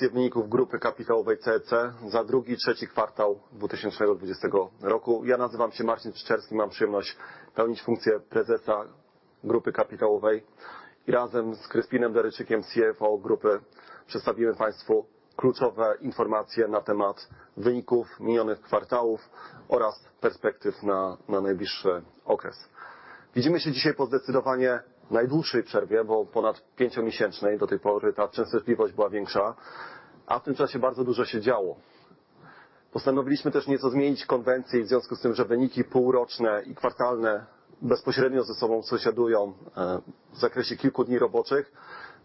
Wyniki grupy kapitałowej CCC za drugi i trzeci kwartał 2020 roku. Ja nazywam się Marcin Czyczerski i mam przyjemność pełnić funkcję prezesa grupy kapitałowej i razem z Kryspinem Derejczykiem, CFO Grupy, przedstawimy Państwu kluczowe informacje na temat wyników minionych kwartałów oraz perspektyw na najbliższy okres. Widzimy się dzisiaj po zdecydowanie najdłuższej przerwie, bo ponad pięciomiesięcznej. Do tej pory ta częstotliwość była większa, a w tym czasie bardzo dużo się działo. Postanowiliśmy też nieco zmienić konwencję i w związku z tym, że wyniki półroczne i kwartalne bezpośrednio ze sobą sąsiadują w zakresie kilku dni roboczych,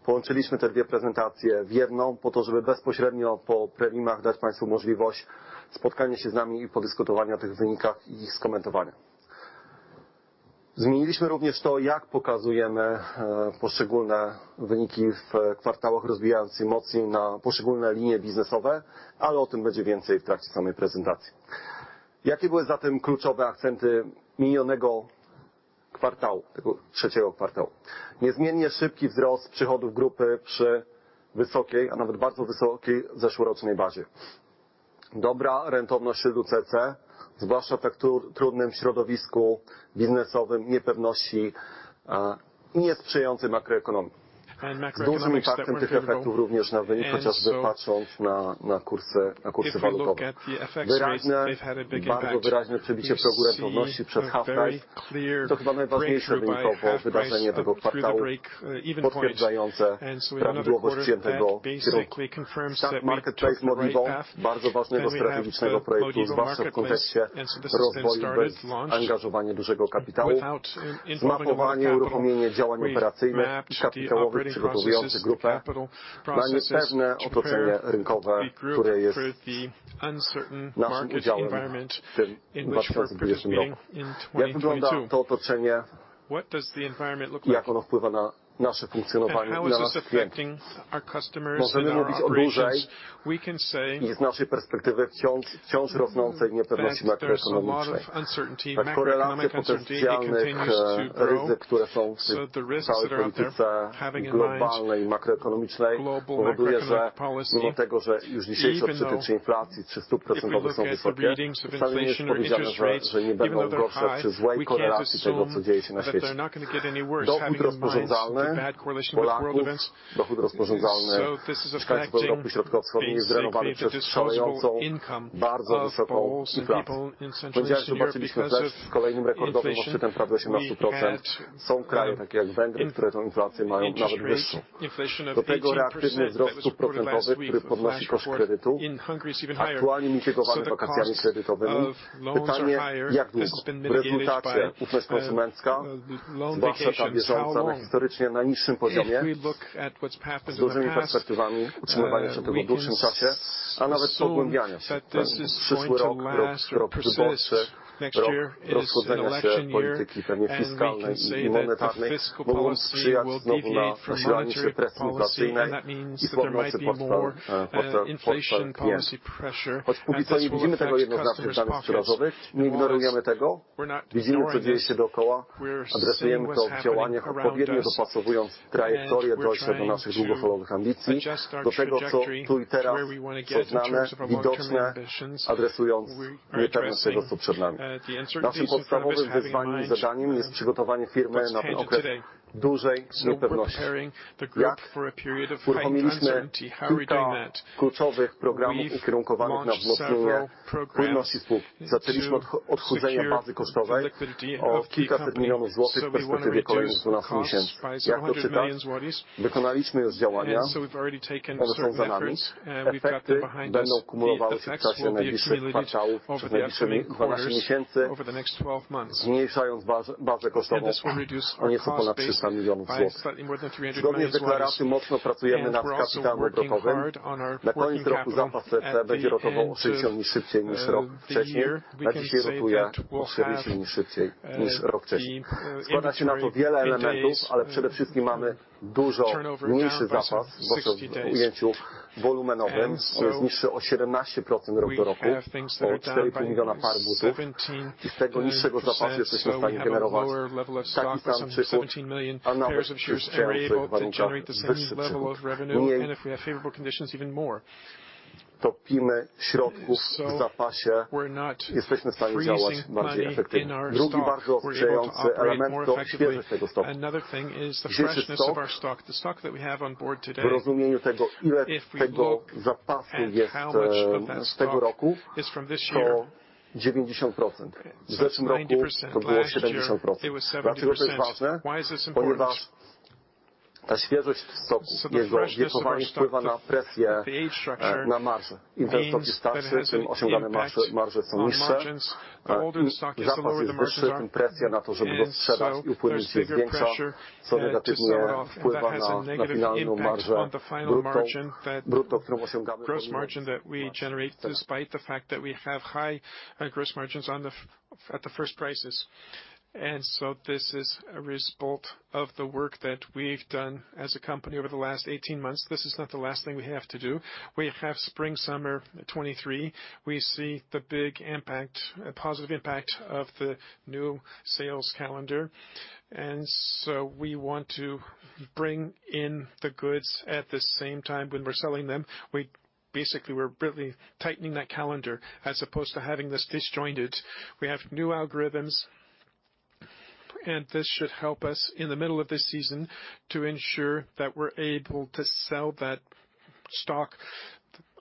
połączyliśmy te dwie prezentacje w jedną. Po to, żeby bezpośrednio po prelimach dać Państwu możliwość spotkania się z nami i podyskutowania o tych wynikach i ich skomentowania. Zmieniliśmy również to, jak pokazujemy poszczególne wyniki w kwartałach, rozbijając je mocniej na poszczególne linie biznesowe, ale o tym będzie więcej w trakcie samej prezentacji. Jakie były zatem kluczowe akcenty minionego kwartału? Tego trzeciego kwartału. Niezmiennie szybki wzrost przychodów grupy przy wysokiej, a nawet bardzo wysokiej zeszłorocznej bazie. Dobra rentowność grupy CCC, zwłaszcza w tak trudnym środowisku biznesowym niepewności i niesprzyjającej makroekonomii. Z dużym impaktem tych efektów również na wynik, chociażby patrząc na kursy walutowe. Wyraźne, bardzo wyraźne przebicie progu rentowności w HalfPrice. To chyba najważniejsze wynikowo wydarzenie tego kwartału, potwierdzające prawidłowość obranego kierunku. Start Marketplace Modivo bardzo ważnego strategicznego projektu. Z masywną konwersją rozwoju bez angażowania dużego kapitału, mapowanie, uruchomienie działań operacyjnych i kapitałowych przygotowujących grupę na niepewne otoczenie rynkowe, które jest naszym udziałem w 2022 roku. Jak wygląda to otoczenie? Jak ono wpływa na nasze funkcjonowanie i na naszego klienta? Możemy mówić o dużej i z naszej perspektywy wciąż rosnącej niepewności makroekonomicznej. Makroekonomicznych, potencjalnych ryzyk, które są w całej polityce globalnej i makroekonomicznej powoduje, że mimo tego, że już dzisiejsze odczyty inflacji czy stóp procentowych są wysokie, wcale nie jest powiedziane, że nie będą gorsze przy złej korelacji tego, co dzieje się na świecie. Dochód rozporządzalny Polaków, dochód rozporządzalny mieszkańców Europy Środkowo-Wschodniej jest drenowany przez szalejącą, bardzo wysoką inflację. We wtorek zobaczyliśmy też kolejny rekordowy odczyt inflacji 18%. Są kraje takie jak Węgry, które tę inflację mają nawet wyższą. Do tego reaktywny wzrost stóp procentowych, który podnosi koszt kredytu. Aktualnie mitygowany wakacjami kredytowymi. Pytanie jak długo? W rezultacie ufność konsumencka, zwłaszcza ta bieżąca na historycznie najniższym poziomie, z dużymi perspektywami utrzymywania się tego w dłuższym czasie, a nawet pogłębiania się. Przyszły rok wyborczy, rok rozchodzenia się polityki pewnie fiskalnej i monetarnej, mogą przynieść znowu na presje inflacyjne i podnoszenie presji stawki pieniężnej. Choć póki co nie widzimy tego jednoznacznie w danych wczorajszych. Nie ignorujemy tego. Widzimy, co dzieje się dookoła. Adresujemy to w działaniach, odpowiednio dopasowując trajektorię do naszego, do naszych długofalowych ambicji. Do tego, co tu i teraz są znane i widoczne, adresując niepewność tego, co przed nami. Naszym podstawowym wyzwaniem i zadaniem jest przygotowanie firmy na ten okres dużej niepewności. Jak? Uruchomiliśmy kilka kluczowych programów ukierunkowanych na wzmocnienie płynności spółki. Zaczęliśmy od odchudzenia bazy kosztowej o kilkaset milionów PLN w perspektywie kolejnych 12 miesięcy. Jak to czytać? Wykonaliśmy już działania. One są za nami. Efekty będą kumulowały się w trakcie najbliższych kwartałów, przez najbliższych 12 miesięcy, zmniejszając bazę kosztową o nieco ponad 300 milionów PLN. Zgodnie z deklaracją mocno pracujemy nad kapitałem obrotowym. Na koniec roku zapas CCC będzie rotował o 60 dni szybciej niż rok wcześniej. A dzisiaj rotuje o 40 dni szybciej niż rok wcześniej. Składa się na to wiele elementów, ale przede wszystkim mamy dużo mniejszy zapas, bo to w ujęciu wolumenowym jest niższy o 17% rok do roku, o 4.5 miliona par butów. Z tego niższego zapasu jesteśmy w stanie generować taki sam przychód, a nawet przy sprzyjających warunkach wyższy przychód. Mniej topimy środków w zapasie. Jesteśmy w stanie działać bardziej efektywnie. Drugi bardzo sprzyjający element to świeżość tego stocku. Dzisiejszy stock w rozumieniu tego, ile tego zapasu jest z tego roku to 90%. W zeszłym roku to było 70%. Dlaczego to jest ważne? Ponieważ ta świeżość stocku jego wiekowanie wpływa na presję na marżę. Im ten stock jest starszy, tym osiągane marże są niższe. Zapas jest wyższy, tym presja na to, żeby go sprzedać i upłynnić jest większa. To negatywnie wpływa na finalną marżę brutto, którą osiągamy. At the first prices. This is a result of the work that we've done as a company over the last 18 months. This is not the last thing we have to do. We have spring, summer 2023. We see the big impact, a positive impact of the new sales calendar. We want to bring in the goods at the same time when we're selling them. We basically, we're really tightening that calendar as opposed to having this disjointed. We have new algorithms, and this should help us in the middle of this season to ensure that we're able to sell that stock,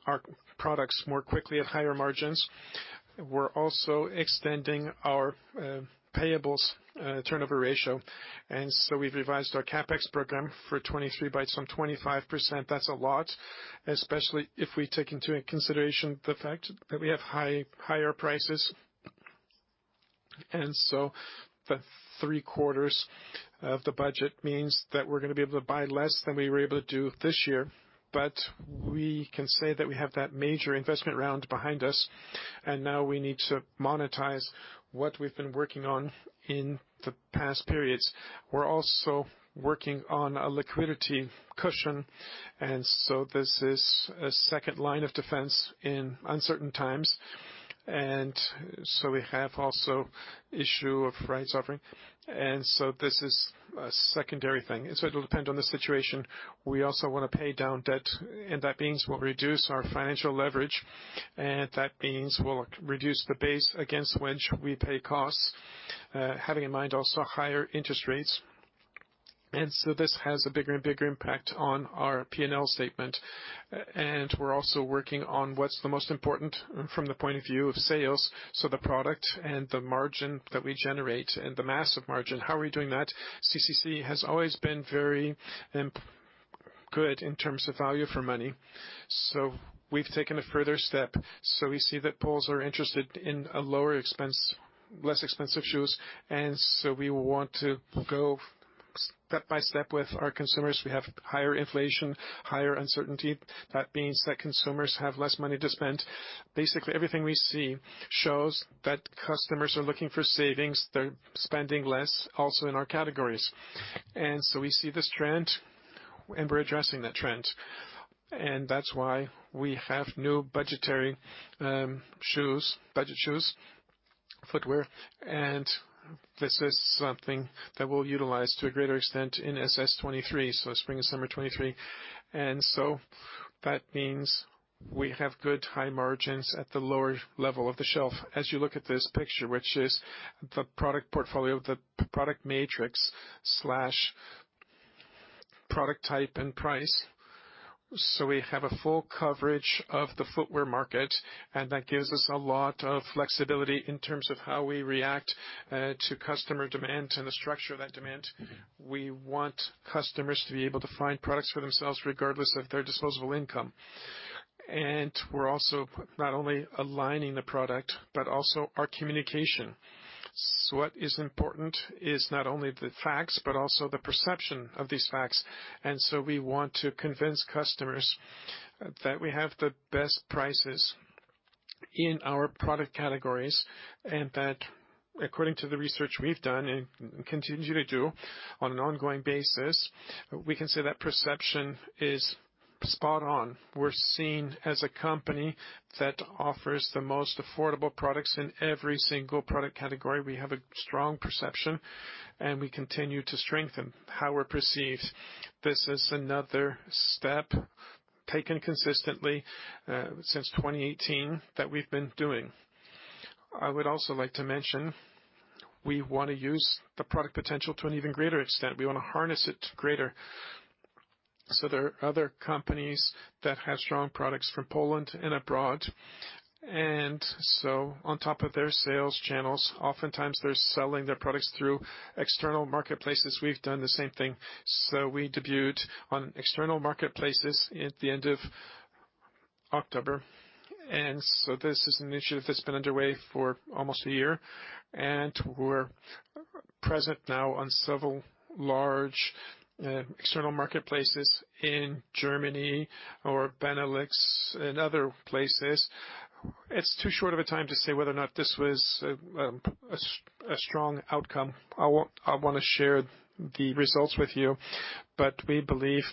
our products more quickly at higher margins. We're also extending our payables turnover ratio. We've revised our CapEx program for 2023 by some 25%. That's a lot, especially if we take into consideration the fact that we have higher prices. The three-quarters of the budget means that we're gonna be able to buy less than we were able to do this year. We can say that we have that major investment round behind us, and now we need to monetize what we've been working on in the past periods. We're also working on a liquidity cushion, and so this is a second line of defense in uncertain times. We have also issue of rights offering. It'll depend on the situation. We also wanna pay down debt, and that means we'll reduce our financial leverage, and that means we'll reduce the base against which we pay costs, having in mind also higher interest rates. This has a bigger and bigger impact on our P&L statement. We're also working on what's the most important from the point of view of sales, so the product and the margin that we generate and the massive margin. How are we doing that? CCC has always been very good in terms of value for money, so we've taken a further step. We see that Poles are interested in a lower expense, less expensive shoes, and we want to go step by step with our consumers. We have higher inflation, higher uncertainty. That means that consumers have less money to spend. Basically, everything we see shows that customers are looking for savings. They're spending less also in our categories. We see this trend, and we're addressing that trend. That's why we have new budgetary shoes, budget shoes, footwear, and this is something that we'll utilize to a greater extent in SS 2023, so spring and summer 2023. That means we have good high margins at the lower level of the shelf. As you look at this picture, which is the product portfolio, the product matrix slash product type and price. We have a full coverage of the footwear market, and that gives us a lot of flexibility in terms of how we react to customer demand and the structure of that demand. We want customers to be able to find products for themselves regardless of their disposable income. We're also not only aligning the product, but also our communication. What is important is not only the facts, but also the perception of these facts. We want to convince customers that we have the best prices in our product categories, and that according to the research we've done and continue to do on an ongoing basis, we can say that perception is spot on. We're seen as a company that offers the most affordable products in every single product category. We have a strong perception, and we continue to strengthen how we're perceived. This is another step taken consistently since 2018 that we've been doing. I would also like to mention, we wanna use the product potential to an even greater extent. We wanna harness it greater. There are other companies that have strong products from Poland and abroad. On top of their sales channels, oftentimes they're selling their products through external marketplaces. We've done the same thing. We debuted on external marketplaces at the end of October. This is an initiative that's been underway for almost a year. We're present now on several large external marketplaces in Germany or Benelux and other places. It's too short of a time to say whether or not this was a strong outcome. I wanna share the results with you, but we believe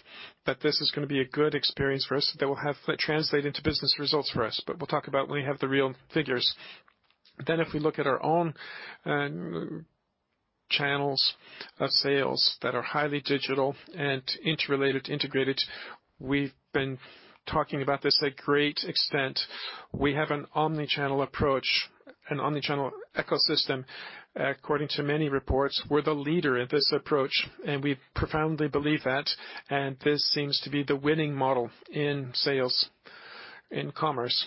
that this is gonna be a good experience for us that will have translate into business results for us. We'll talk about when we have the real figures. If we look at our own channels of sales that are highly digital and interrelated, integrated, we've been talking about this at great extent. We have an Omni-channel approach, an Omni-channel ecosystem. According to many reports, we're the leader in this approach, and we profoundly believe that. This seems to be the winning model in sales, in commerce.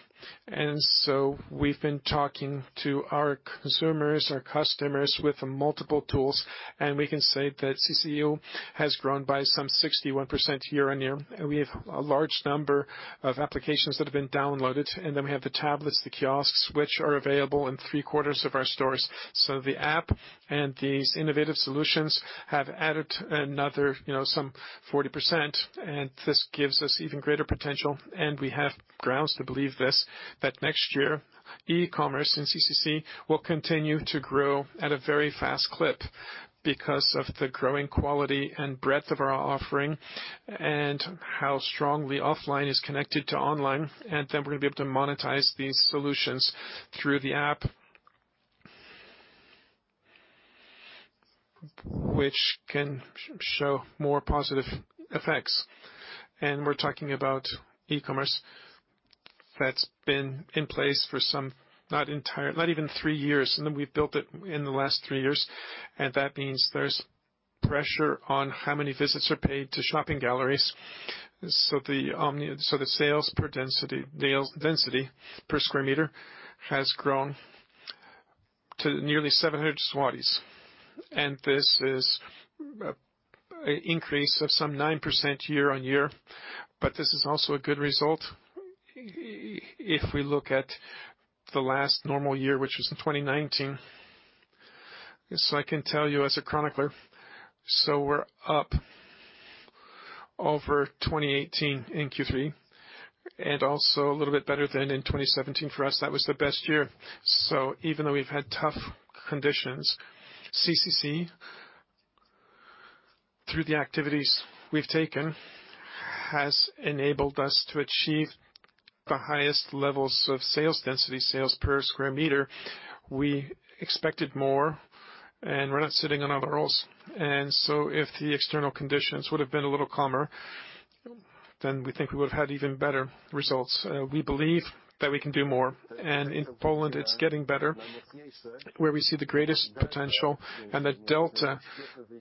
We've been talking to our consumers, our customers with multiple tools, and we can say that CCC has grown by some 61% year-on-year. We have a large number of applications that have been downloaded, and then we have the tablets, the kiosks, which are available in three-quarters of our stores. The app and these innovative solutions have added another, you know, some 40%, and this gives us even greater potential. We have grounds to believe this, that next year, e-commerce in CCC will continue to grow at a very fast clip because of the growing quality and breadth of our offering, and how strong the offline is connected to online. Then we're gonna be able to monetize these solutions through the app, which can show more positive effects. We're talking about e-commerce that's been in place for some, not entire, not even three years, and then we've built it in the last three years. That means there's pressure on how many visits are paid to shopping galleries. The sales density per square meter has grown to nearly 700 zlotys. This is an increase of some 9% year-on-year. But this is also a good result if we look at the last normal year, which was in 2019. This I can tell you as a chronicler. We're up over 2018 in Q3, and also a little bit better than in 2017. For us, that was the best year. Even though we've had tough conditions, CCC, through the activities we've taken, has enabled us to achieve the highest levels of sales density, sales per square meter. We expected more, and we're not sitting on our laurels. If the external conditions would have been a little calmer, then we think we would've had even better results. We believe that we can do more. In Poland, it's getting better, where we see the greatest potential and the delta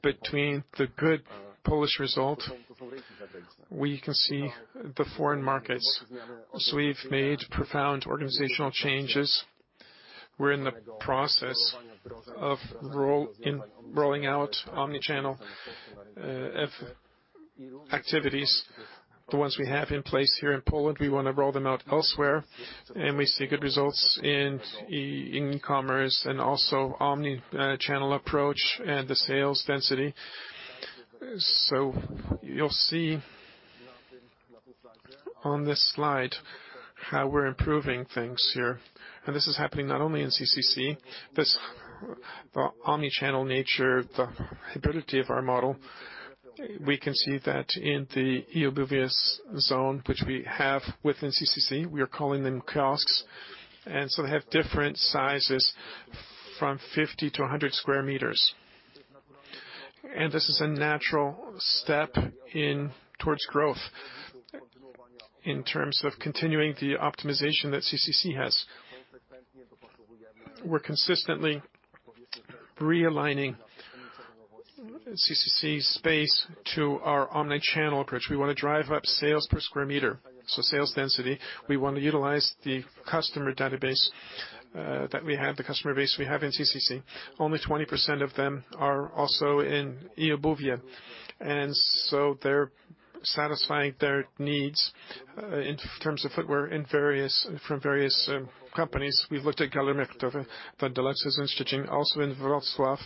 between the good Polish result and the foreign markets. We've made profound organizational changes. We're in the process of rolling out omni-channel activities, the ones we have in place here in Poland. We wanna roll them out elsewhere, and we see good results in e-commerce and also omni-channel approach and the sales density. You'll see on this slide how we're improving things here. This is happening not only in CCC, the omni-channel nature, the hybridity of our model. We can see that in the eObuwie zone, which we have within CCC. We are calling them kiosks. They have different sizes from 50-100 sq m. This is a natural step in towards growth in terms of continuing the optimization that CCC has. We're consistently realigning CCC's space to our omni-channel approach. We wanna drive up sales per square meter, so sales density. We wanna utilize the customer database that we have, the customer base we have in CCC. Only 20% of them are also in eobuwie. They're satisfying their needs in terms of footwear from various companies. We've looked at Galeria's, the Deluxes in Szczecin, also in Wrocław.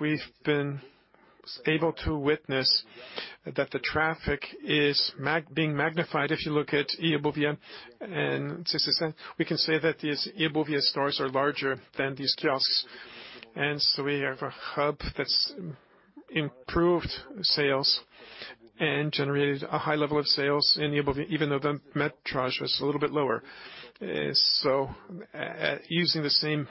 We've been able to witness that the traffic is magnified. If you look at eobuwie and CCC, we can say that these eobuwie stores are larger than these kiosks. We have a hub that's improved sales and generated a high level of sales in eobuwie even though the metrage was a little bit lower. Using the same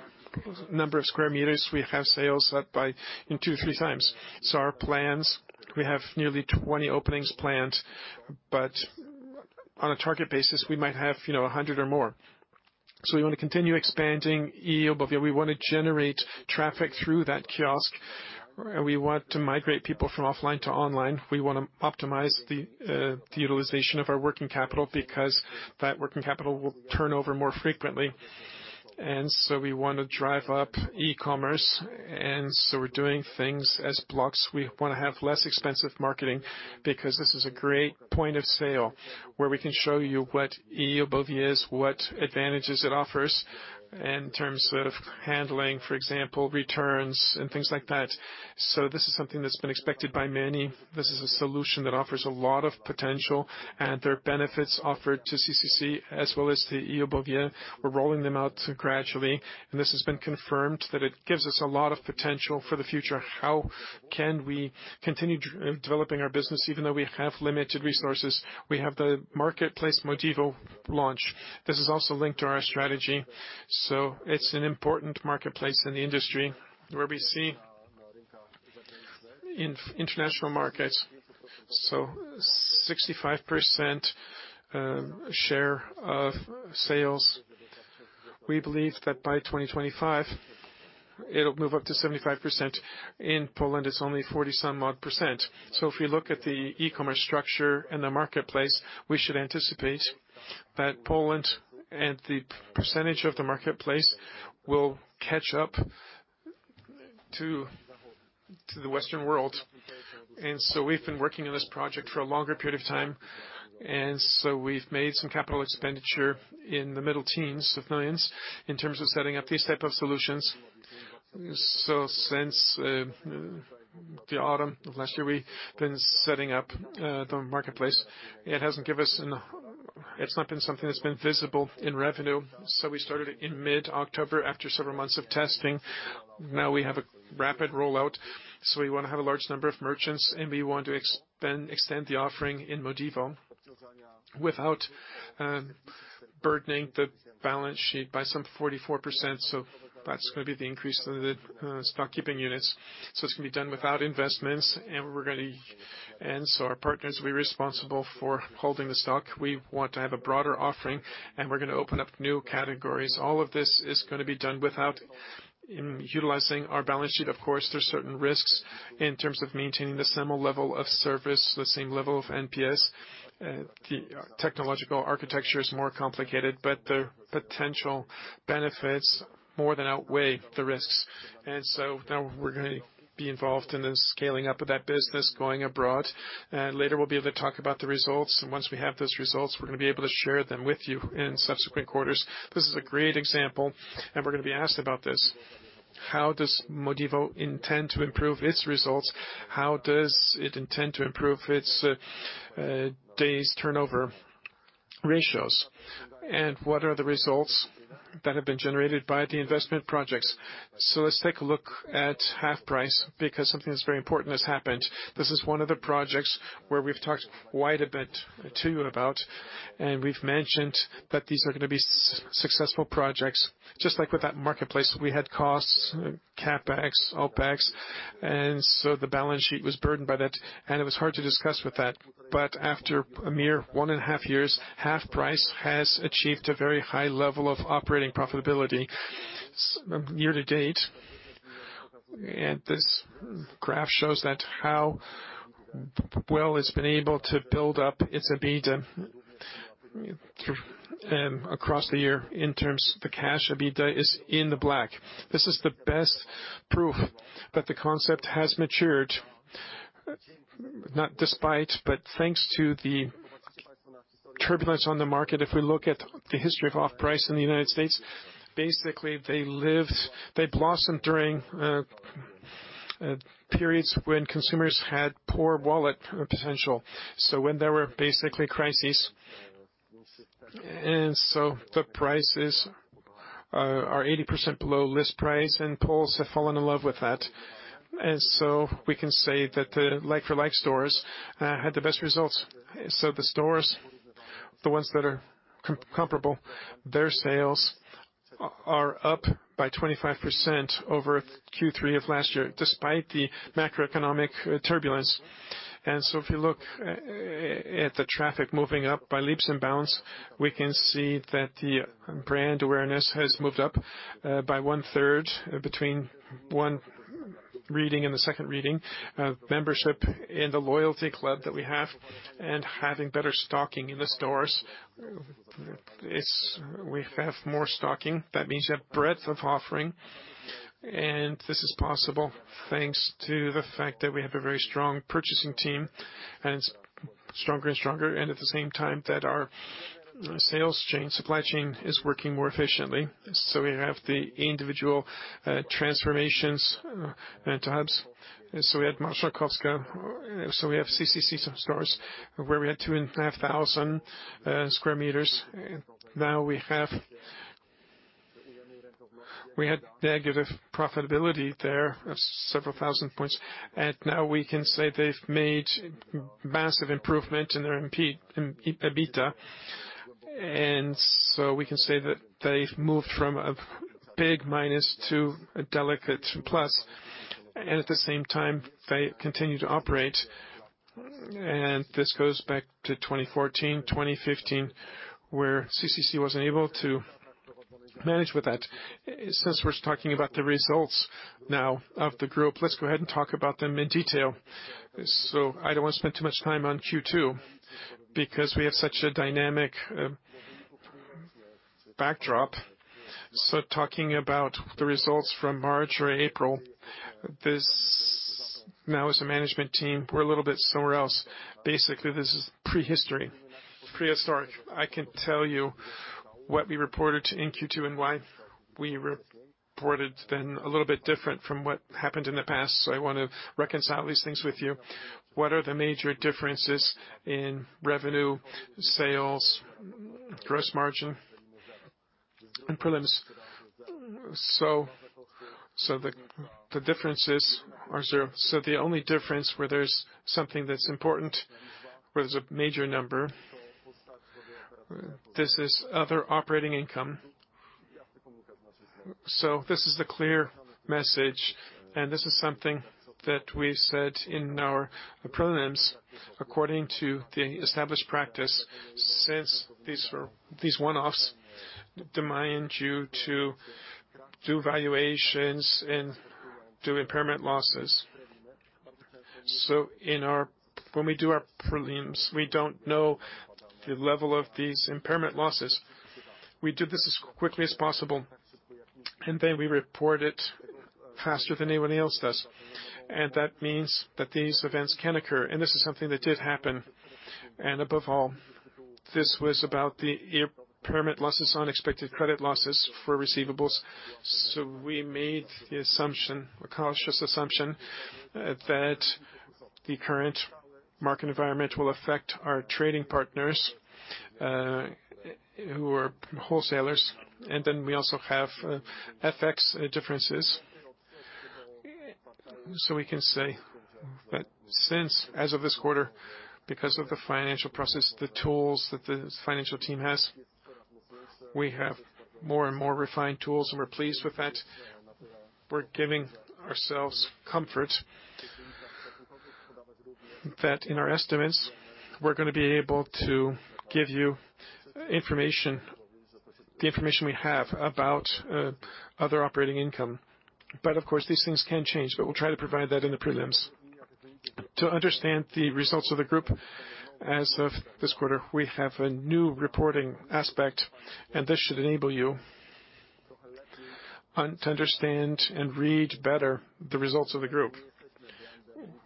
number of square meters, we have sales up by two-3x. Our plans, we have nearly 20 openings planned, but on a target basis, we might have, you know, 100 or more. We wanna continue expanding eobuwie. We wanna generate traffic through that kiosk. We want to migrate people from offline to online. We wanna optimize the utilization of our working capital because that working capital will turn over more frequently. We wanna drive up e-commerce, and we're doing things as blocks. We wanna have less expensive marketing because this is a great point of sale where we can show you what eobuwie is, what advantages it offers in terms of handling, for example, returns and things like that. This is something that's been expected by many. This is a solution that offers a lot of potential and there are benefits offered to CCC as well as to eobuwie. We're rolling them out gradually, and this has been confirmed that it gives us a lot of potential for the future. How can we continue developing our business even though we have limited resources? We have the marketplace Modivo launch. This is also linked to our strategy. It's an important marketplace in the industry where we see in international markets 65% share of sales. We believe that by 2025, it'll move up to 75%. In Poland, it's only 40-some-odd percent. If you look at the e-commerce structure and the marketplace, we should anticipate that Poland and the percentage of the marketplace will catch up to the Western world. We've been working on this project for a longer period of time. We've made some capital expenditure in the middle teens of millions PLN in terms of setting up these type of solutions. Since the autumn of last year, we've been setting up the marketplace. It hasn't given us. It's not been something that's been visible in revenue. We started it in mid-October after several months of testing. Now we have a rapid rollout, so we wanna have a large number of merchants, and we want to extend the offering in Modivo without burdening the balance sheet by some 44%. That's gonna be the increase in the stock keeping units. It's gonna be done without investments and our partners will be responsible for holding the stock. We want to have a broader offering, and we're gonna open up new categories. All of this is gonna be done without utilizing our balance sheet. Of course, there's certain risks in terms of maintaining the same level of service, the same level of NPS. The technological architecture is more complicated, but the potential benefits more than outweigh the risks. Now we're gonna be involved in the scaling up of that business going abroad. Later, we'll be able to talk about the results. Once we have those results, we're gonna be able to share them with you in subsequent quarters. This is a great example, and we're gonna be asked about this. How does Modivo intend to improve its results? How does it intend to improve its days turnover ratios? What are the results that have been generated by the investment projects? Let's take a look at HalfPrice because something that's very important has happened. This is one of the projects where we've talked quite a bit to you about, and we've mentioned that these are gonna be successful projects. Just like with that marketplace, we had costs, CapEx, OpEx, and so the balance sheet was burdened by that, and it was hard to discuss with that. After a mere one and a half years, HalfPrice has achieved a very high level of operating profitability year to date. This graph shows how well it's been able to build up its EBITDA across the year in terms the cash EBITDA is in the black. This is the best proof that the concept has matured, not despite, but thanks to the turbulence on the market. If we look at the history of Off-Price in the United States, basically, they lived, they blossomed during periods when consumers had poor wallet potential. When there were basically crises. The prices are 80% below list price, and Poles have fallen in love with that. We can say that the like-for-like stores had the best results. The stores, the ones that are comparable, their sales are up by 25% over Q3 of last year, despite the macroeconomic turbulence. If you look at the traffic moving up by leaps and bounds, we can see that the brand awareness has moved up by 1/3 between one reading and the second reading. Membership in the loyalty club that we have and having better stocking in the stores. We have more stocking. That means a breadth of offering. This is possible, thanks to the fact that we have a very strong purchasing team, and it's stronger and stronger, and at the same time that our supply chain is working more efficiently. We have the individual transformations into hubs. We had Marszałkowska. We have CCC stores where we had 2,500 sq m. We had negative profitability there of several thousand points. Now we can say they've made massive improvement in their EBITDA. We can say that they've moved from a big minus to a delicate plus. At the same time, they continue to operate. This goes back to 2014, 2015, where CCC wasn't able to manage with that. Since we're talking about the results now of the group, let's go ahead and talk about them in detail. I don't wanna spend too much time on Q2 because we have such a dynamic backdrop. Talking about the results from March or April, now as a management team, we're a little bit somewhere else. Basically, this is prehistory, prehistoric. I can tell you what we reported in Q2 and why we reported then a little bit different from what happened in the past. I wanna reconcile these things with you. What are the major differences in revenue, sales, gross margin, and prelims? The differences are zero. The only difference where there's something that's important, where there's a major number, this is other operating income. This is the clear message, and this is something that we've said in our prelims according to the established practice, since these one-offs demand you to do valuations and do impairment losses. When we do our prelims, we don't know the level of these impairment losses. We do this as quickly as possible, and then we report it faster than anyone else does. That means that these events can occur, and this is something that did happen. Above all, this was about the impairment losses, unexpected credit losses for receivables. We made the assumption, a cautious assumption, that the current market environment will affect our trading partners, who are wholesalers. We also have FX differences. We can say that since, as of this quarter, because of the financial process, the tools that the financial team has, we have more and more refined tools, and we're pleased with that. We're giving ourselves comfort that in our estimates, we're gonna be able to give you information, the information we have about other operating income. Of course, these things can change, but we'll try to provide that in the prelims. To understand the results of the group as of this quarter, we have a new reporting aspect, and this should enable you to understand and read better the results of the group.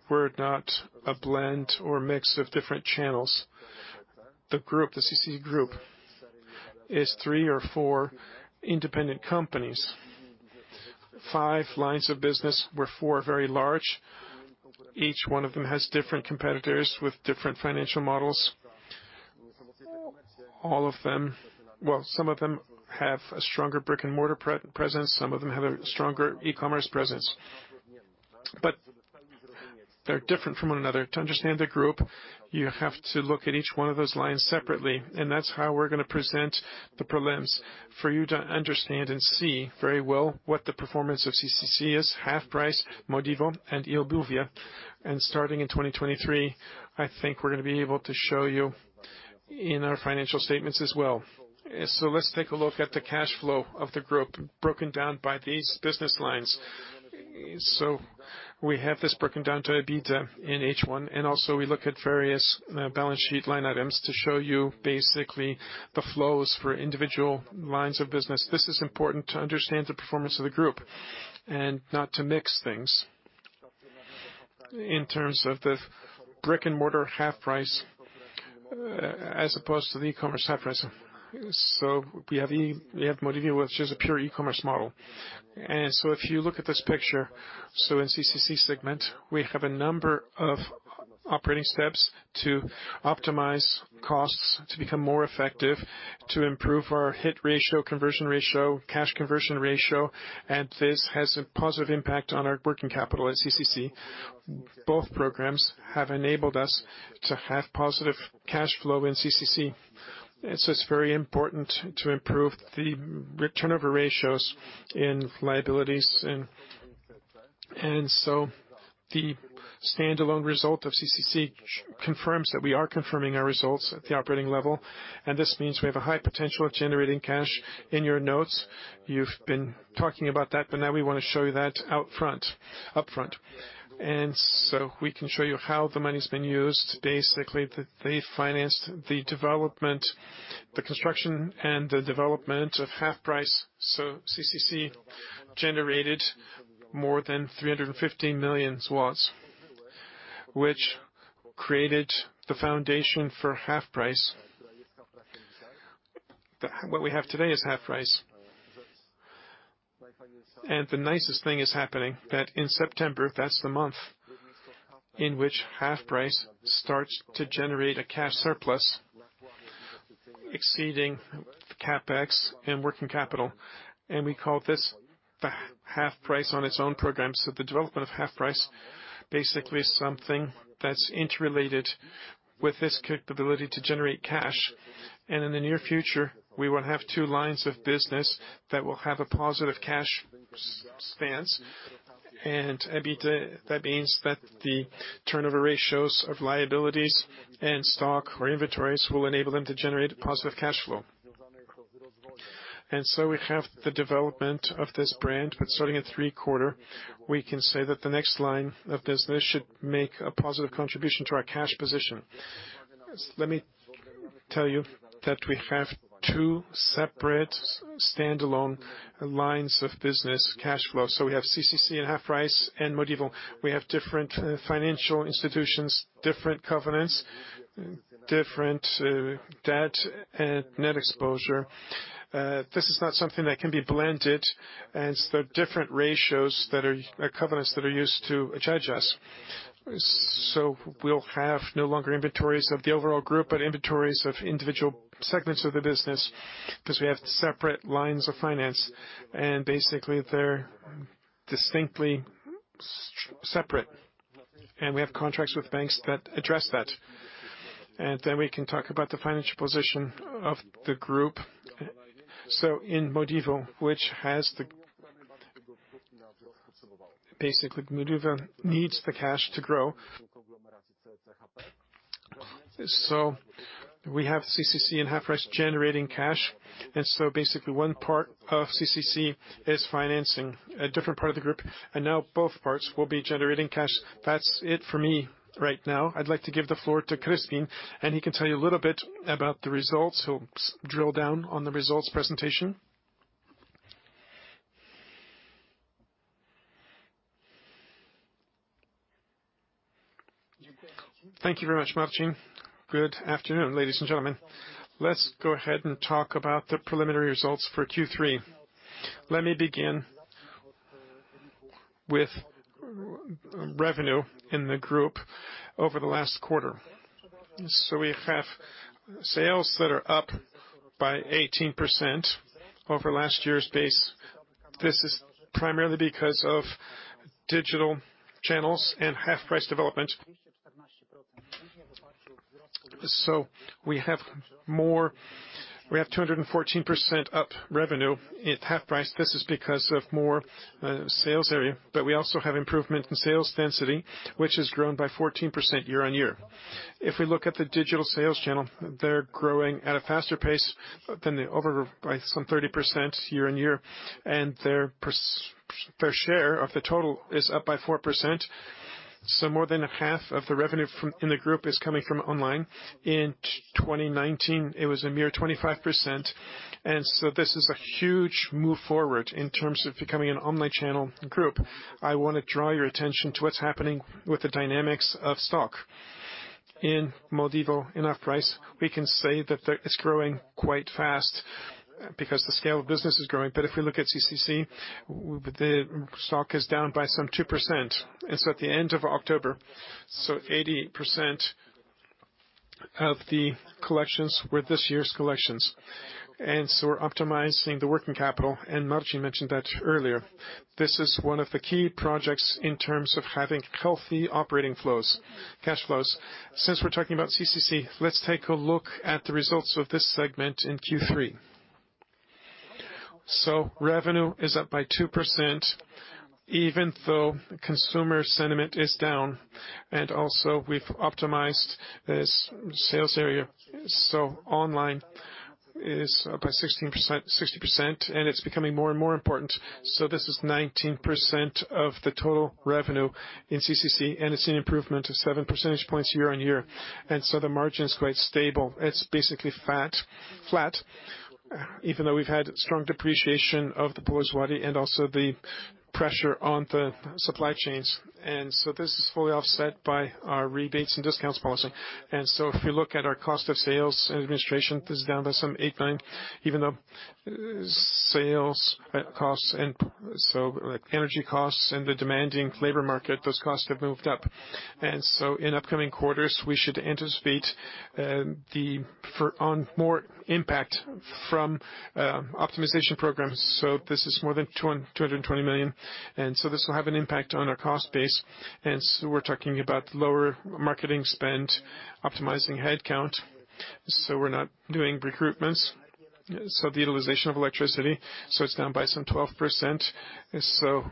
We're not a blend or a mix of different channels. The group, the CCC Group, is three or four independent companies. Five lines of business, where four are very large. Each one of them has different competitors with different financial models. All of them. Well, some of them have a stronger brick-and-mortar presence, some of them have a stronger e-commerce presence, but they're different from one another. To understand the group, you have to look at each one of those lines separately, and that's how we're gonna present the prelims for you to understand and see very well what the performance of CCC, HalfPrice, Modivo and eobuwie is. Starting in 2023, I think we're gonna be able to show you in our financial statements as well. Let's take a look at the cash flow of the group broken down by these business lines. We have this broken down to EBITDA in H1, and also we look at various balance sheet line items to show you basically the flows for individual lines of business. This is important to understand the performance of the group and not to mix things. In terms of the brick-and-mortar HalfPrice, as opposed to the e-commerce HalfPrice. We have Modivo, which is a pure e-commerce model. If you look at this picture, so in CCC segment, we have a number of operating steps to optimize costs to become more effective, to improve our hit ratio, conversion ratio, cash conversion ratio, and this has a positive impact on our working capital at CCC. Both programs have enabled us to have positive cash flow in CCC. It's very important to improve the return over ratios in liabilities and so the standalone result of CCC confirms that we are confirming our results at the operating level, and this means we have a high potential of generating cash. In your notes, you've been talking about that, but now we wanna show you that upfront. We can show you how the money's been used. Basically, they financed the development, the construction and the development of HalfPrice. CCC generated more than 350 million, which created the foundation for HalfPrice. What we have today is HalfPrice. The nicest thing is happening, that in September, that's the month in which HalfPrice starts to generate a cash surplus exceeding the CapEx and working capital. We call this the HalfPrice on its own program. The development of HalfPrice basically is something that's interrelated with this capability to generate cash. In the near future, we will have two lines of business that will have a positive cash stance and EBITDA, that means that the turnover ratios of liabilities and stock or inventories will enable them to generate a positive cash flow. We have the development of this brand, but starting at third quarter, we can say that the next line of business should make a positive contribution to our cash position. Let me tell you that we have two separate standalone lines of business cash flow. We have CCC and HalfPrice and Modivo. We have different financial institutions, different covenants, different debt and net exposure. This is not something that can be blended as the different ratios that are covenants that are used to judge us. We'll have no longer inventories of the overall group, but inventories of individual segments of the business because we have separate lines of finance, and basically, they're distinctly separate, and we have contracts with banks that address that. Then we can talk about the financial position of the group. In Modivo, which has the... Basically, Modivo needs the cash to grow. We have CCC and HalfPrice generating cash, and so basically one part of CCC is financing a different part of the group, and now both parts will be generating cash. That's it for me right now. I'd like to give the floor to Kryspin, and he can tell you a little bit about the results. He'll drill down on the results presentation. Thank you very much, Marcin. Good afternoon, ladies and gentlemen. Let's go ahead and talk about the preliminary results for Q3. Let me begin with revenue in the group over the last quarter. We have sales that are up by 18% over last year's base. This is primarily because of digital channels and HalfPrice development. We have 214% up revenue at HalfPrice. This is because of more sales area. We also have improvement in sales density, which has grown by 14% year-on-year. If we look at the digital sales channel, they're growing at a faster pace than overall by some 30% year-on-year, and their fair share of the total is up by 4%. More than a half of the revenue from, in the group is coming from online. In twenty nineteen, it was a mere 25%. This is a huge move forward in terms of becoming an omni-channel group. I wanna draw your attention to what's happening with the dynamics of stock. In Modivo, in HalfPrice, we can say that it's growing quite fast because the scale of business is growing. If we look at CCC, the stock is down by some 2%. It's at the end of October, so 80% of the collections were this year's collections. We're optimizing the working capital, and Marcin mentioned that earlier. This is one of the key projects in terms of having healthy operating flows, cash flows. Since we're talking about CCC, let's take a look at the results of this segment in Q3. Revenue is up by 2%, even though consumer sentiment is down. We've optimized this sales area. Online is up by 16%, 60%, and it's becoming more and more important. This is 19% of the total revenue in CCC, and it's an improvement of seven percentage points year-on-year. The margin is quite stable. It's basically flat, even though we've had strong depreciation of the Polish złoty and also the pressure on the supply chains. This is fully offset by our rebates and discounts policy. If you look at our cost of sales and administration, this is down by some 8%-9%, even though sales costs and so, like, energy costs and the demanding labor market, those costs have moved up. In upcoming quarters, we should anticipate more impact from optimization programs. This is more than 200 million. This will have an impact on our cost base. We're talking about lower marketing spend, optimizing headcount. We're not doing recruitments. The utilization of electricity is down by some 12%.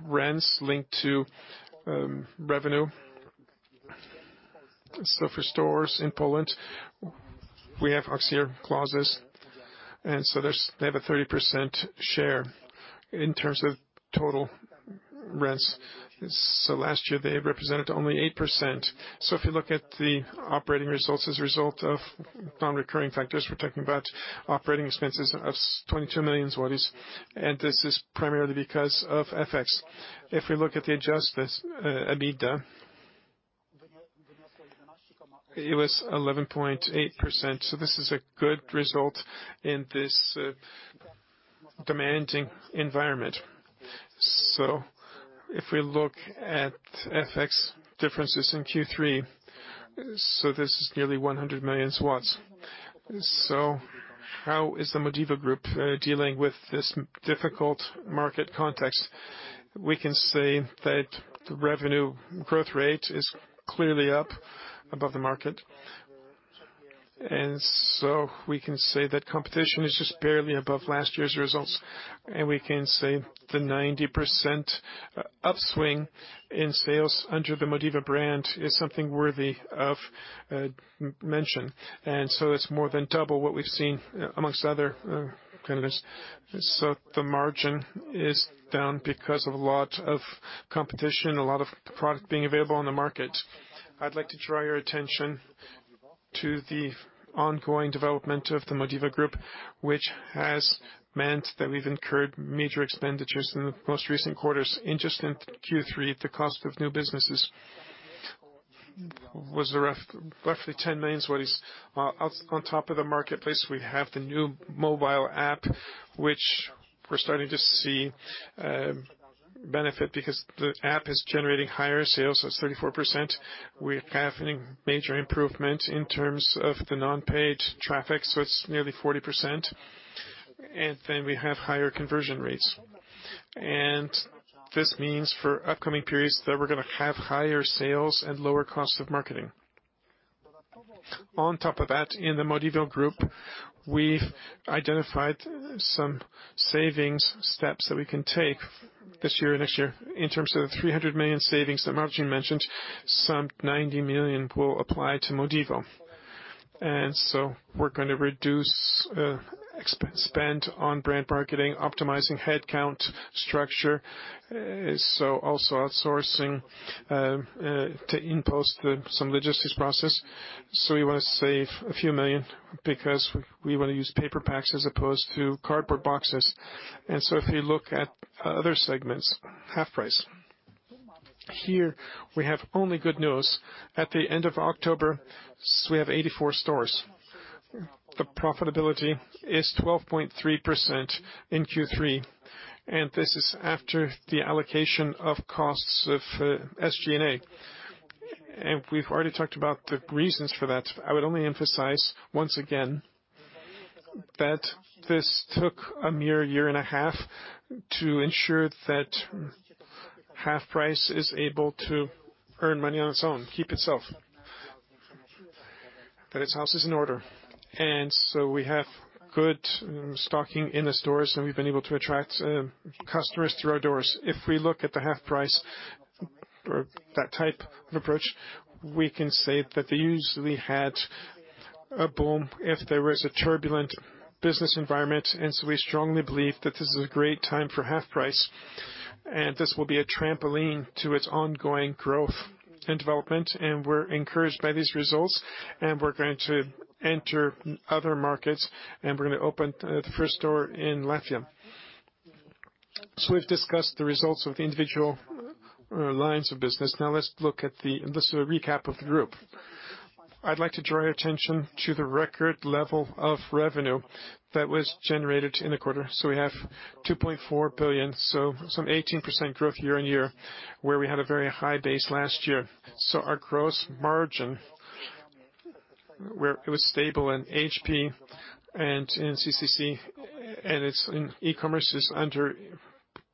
Rents linked to revenue. For stores in Poland, we have OCR clauses. They have a 30% share in terms of total rents. Last year, they represented only 8%. If you look at the operating results as a result of non-recurring factors, we're talking about operating expenses of 22 million zlotys, and this is primarily because of FX. If we look at the Adjusted EBITDA, it was 11.8%. This is a good result in this demanding environment. If we look at FX differences in Q3, this is nearly 100 million. How is the Modivo Group dealing with this difficult market context? We can say that the revenue growth rate is clearly up above the market. We can say that competition is just barely above last year's results, and we can say the 90% upswing in sales under the Modivo brand is something worthy of mention. It's more than double what we've seen amongst other competitors. The margin is down because of a lot of competition, a lot of product being available on the market. I'd like to draw your attention to the ongoing development of the Modivo Group, which has meant that we've incurred major expenditures in the most recent quarters. In just Q3, the cost of new businesses was roughly 10 million. On top of the marketplace, we have the new mobile app, which we're starting to see benefit because the app is generating higher sales, that's 34%. We're having major improvement in terms of the non-paid traffic, so it's nearly 40%. We have higher conversion rates. This means for upcoming periods that we're gonna have higher sales and lower cost of marketing. On top of that, in the Modivo Group, we've identified some savings steps that we can take this year and next year. In terms of 300 million savings that Marcin mentioned, some 90 million will apply to Modivo. We're gonna reduce OpEx on brand marketing, optimizing headcount structure. Outsourcing to InPost some logistics process. We wanna save a few million because we wanna use paper packs as opposed to cardboard boxes. If you look at other segments, HalfPrice. Here we have only good news. At the end of October, we have 84 stores. The profitability is 12.3% in Q3, and this is after the allocation of costs of SG&A. We've already talked about the reasons for that. I would only emphasize once again that this took a mere year and a half to ensure that HalfPrice is able to earn money on its own, keep itself. That its house is in order. We have good stocking in the stores, and we've been able to attract customers through our doors. If we look at the HalfPrice or that type of approach, we can say that they usually had a boom if there was a turbulent business environment. We strongly believe that this is a great time for HalfPrice, and this will be a trampoline to its ongoing growth and development. We're encouraged by these results, and we're going to enter other markets, and we're gonna open the first store in Latvia. We've discussed the results of the individual lines of business. Now let's look at this is a recap of the group. I'd like to draw your attention to the record level of revenue that was generated in the quarter. We have 2.4 billion, so some 18% growth year-on-year, where we had a very high base last year. Our gross margin, where it was stable in HP and in CCC, and it's in e-commerce is under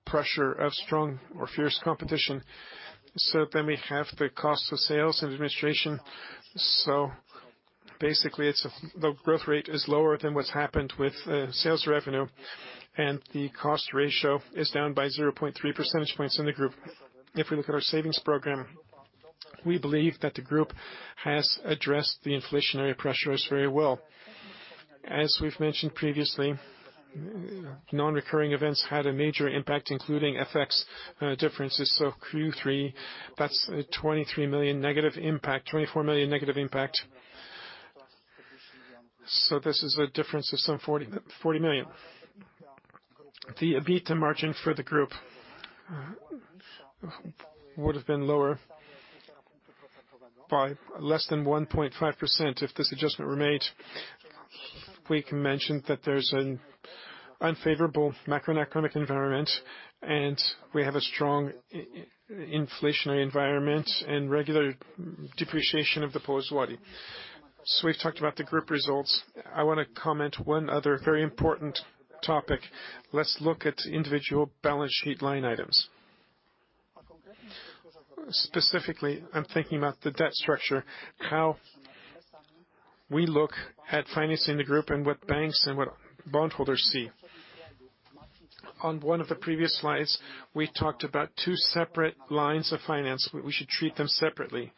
pressure of strong or fierce competition. We have the cost of sales and administration. Basically, it's the growth rate is lower than what's happened with sales revenue, and the cost ratio is down by 0.3 percentage points in the group. If we look at our savings program, we believe that the group has addressed the inflationary pressures very well. As we've mentioned previously, non-recurring events had a major impact, including FX differences. Q3, that's a 23 million negative impact, 24 million negative impact. This is a difference of some 40 million. The EBITDA margin for the group would've been lower by less than 1.5% if this adjustment were made. We can mention that there's an unfavorable macroeconomic environment, and we have a strong inflationary environment and regular depreciation of the Polish zloty. We've talked about the group results. I wanna comment one other very important topic. Let's look at individual balance sheet line items. Specifically, I'm thinking about the debt structure, how we look at financing the group and what banks and what bondholders see. On one of the previous slides, we talked about two separate lines of finance. We should treat them separately.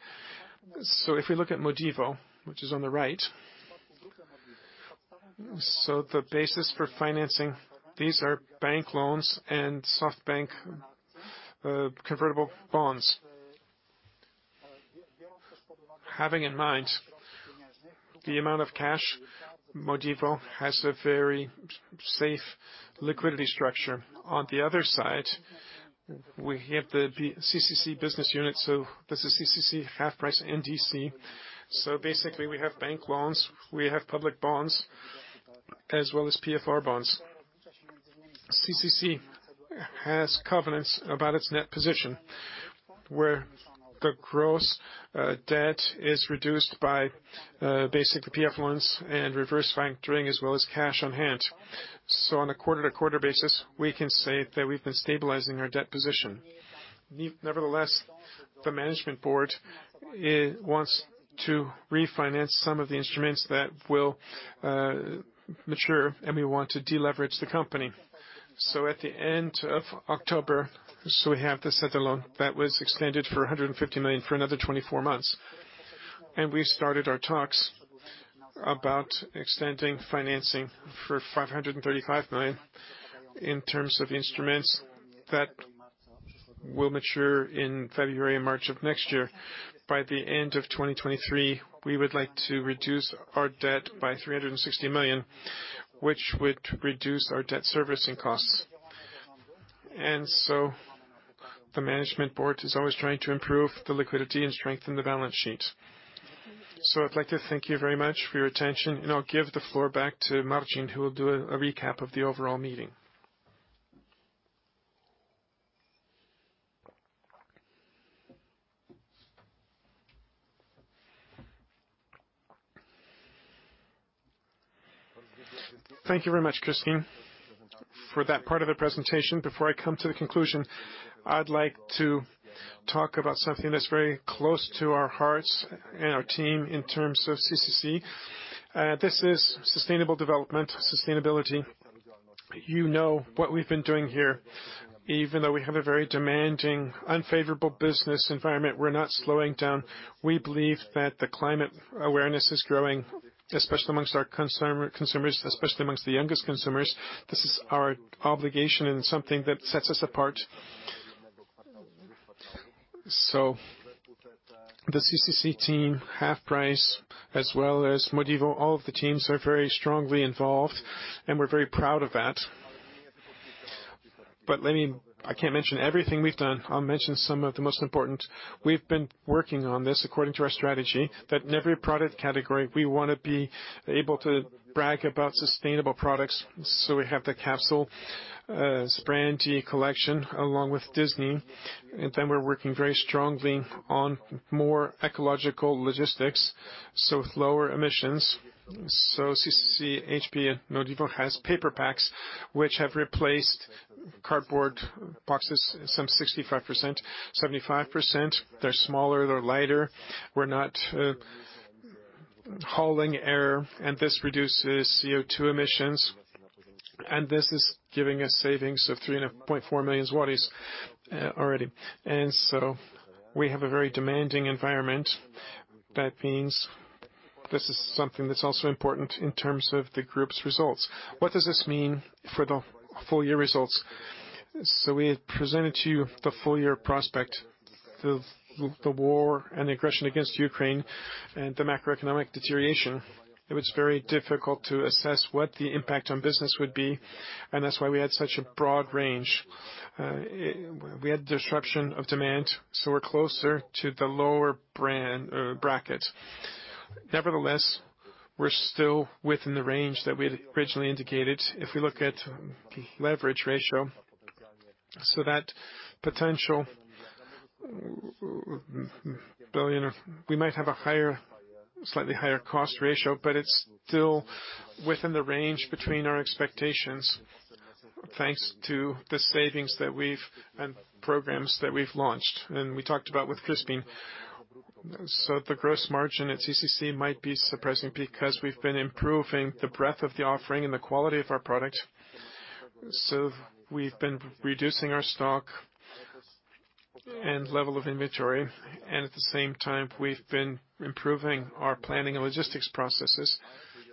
If we look at Modivo, which is on the right, the basis for financing these are bank loans and SoftBank convertible bonds. Having in mind the amount of cash, Modivo has a very safe liquidity structure. On the other side, we have the CCC business unit, so this is CCC, HalfPrice, and Deni Cler. Basically, we have bank loans, we have public bonds, as well as PFR bonds. CCC has covenants about its net position, where the gross debt is reduced by basically PFR loans and reverse factoring, as well as cash on hand. On a quarter-to-quarter basis, we can say that we've been stabilizing our debt position. Nevertheless, the management board, it wants to refinance some of the instruments that will mature, and we want to deleverage the company. At the end of October, we have the syndicated loan that was extended for 150 million for another 24 months. We started our talks about extending financing for 535 million in terms of instruments that will mature in February and March of next year. By the end of 2023, we would like to reduce our debt by 360 million, which would reduce our debt servicing costs. The management board is always trying to improve the liquidity and strengthen the balance sheet. I'd like to thank you very much for your attention, and I'll give the floor back to Marcin, who will do a recap of the overall meeting. Thank you very much, Kryspin, for that part of the presentation. Before I come to the conclusion, I'd like to talk about something that's very close to our hearts and our team in terms of CCC. This is sustainable development, sustainability. You know what we've been doing here. Even though we have a very demanding, unfavorable business environment, we're not slowing down. We believe that the climate awareness is growing, especially among our consumers, especially among the youngest consumers. This is our obligation and something that sets us apart. The CCC team, HalfPrice, as well as Modivo, all of the teams are very strongly involved, and we're very proud of that. Let me. I can't mention everything we've done. I'll mention some of the most important. We've been working on this according to our strategy that in every product category, we wanna be able to brag about sustainable products. We have the capsule Sprandi collection along with Disney. We're working very strongly on more ecological logistics, so with lower emissions. CCC, HP, and Modivo has paper packs which have replaced cardboard boxes, some 65%, 75%. They're smaller, they're lighter. We're not hauling air, and this reduces CO2 emissions, and this is giving us savings of 3.4 million zlotys already. We have a very demanding environment. That means this is something that's also important in terms of the group's results. What does this mean for the full year results? We had presented to you the full year prospect, the war and aggression against Ukraine and the macroeconomic deterioration. It was very difficult to assess what the impact on business would be, and that's why we had such a broad range. We had disruption of demand, so we're closer to the lower brand bracket. Nevertheless, we're still within the range that we had originally indicated. If we look at leverage ratio, so that potential two billion, we might have a higher, slightly higher cost ratio, but it's still within the range between our expectations, thanks to the savings and programs that we've launched, and we talked about with Kryspin. The gross margin at CCC might be surprising because we've been improving the breadth of the offering and the quality of our product. We've been reducing our stock and level of inventory, and at the same time, we've been improving our planning and logistics processes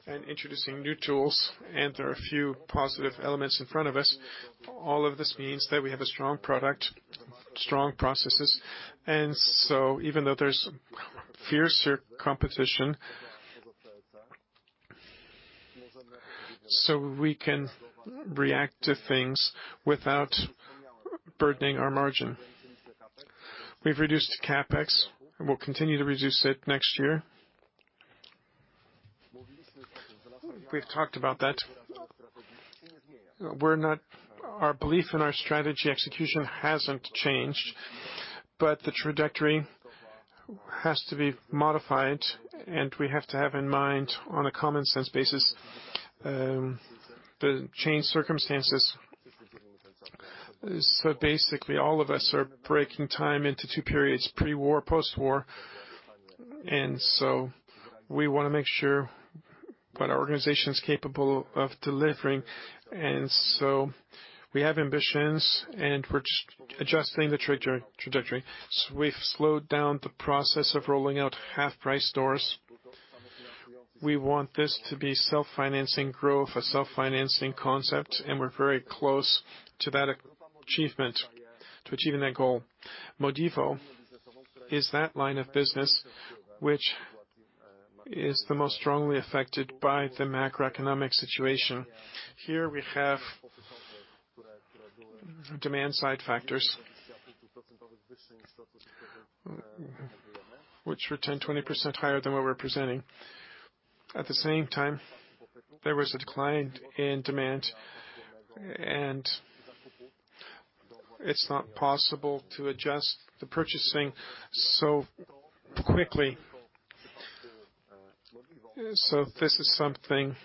and introducing new tools. There are a few positive elements in front of us. All of this means that we have a strong product, strong processes. Even though there's fiercer competition, we can react to things without burdening our margin. We've reduced CapEx, and we'll continue to reduce it next year. We've talked about that. Our belief in our strategy execution hasn't changed, but the trajectory has to be modified, and we have to have in mind, on a common sense basis, the changed circumstances. Basically, all of us are breaking time into two periods, pre-war, post-war. We wanna make sure what our organization's capable of delivering. We have ambitions, and we're just adjusting the trajectory. We've slowed down the process of rolling out HalfPrice stores. We want this to be self-financing growth, a self-financing concept, and we're very close to that achievement, to achieving that goal. Modivo is that line of business which is the most strongly affected by the macroeconomic situation. Here we have demand-side factors which were 10, 20% higher than what we're presenting. At the same time, there was a decline in demand and it's not possible to adjust the purchasing so quickly. This is something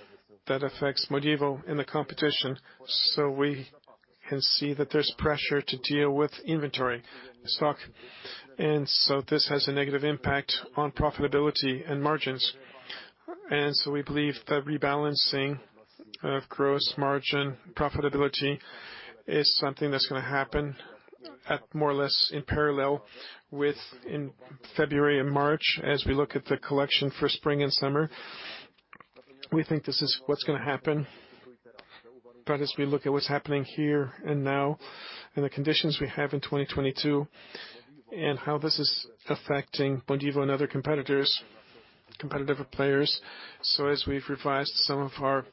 that affects Modivo in the competition, so we can see that there's pressure to deal with inventory stock. We believe that rebalancing of gross margin profitability is something that's gonna happen at more or less in parallel with February and March as we look at the collection for spring and summer. We think this is what's gonna happen. As we look at what's happening here and now and the conditions we have in 2022 and how this is affecting Modivo and other competitors, competitive players. As we've revised some of our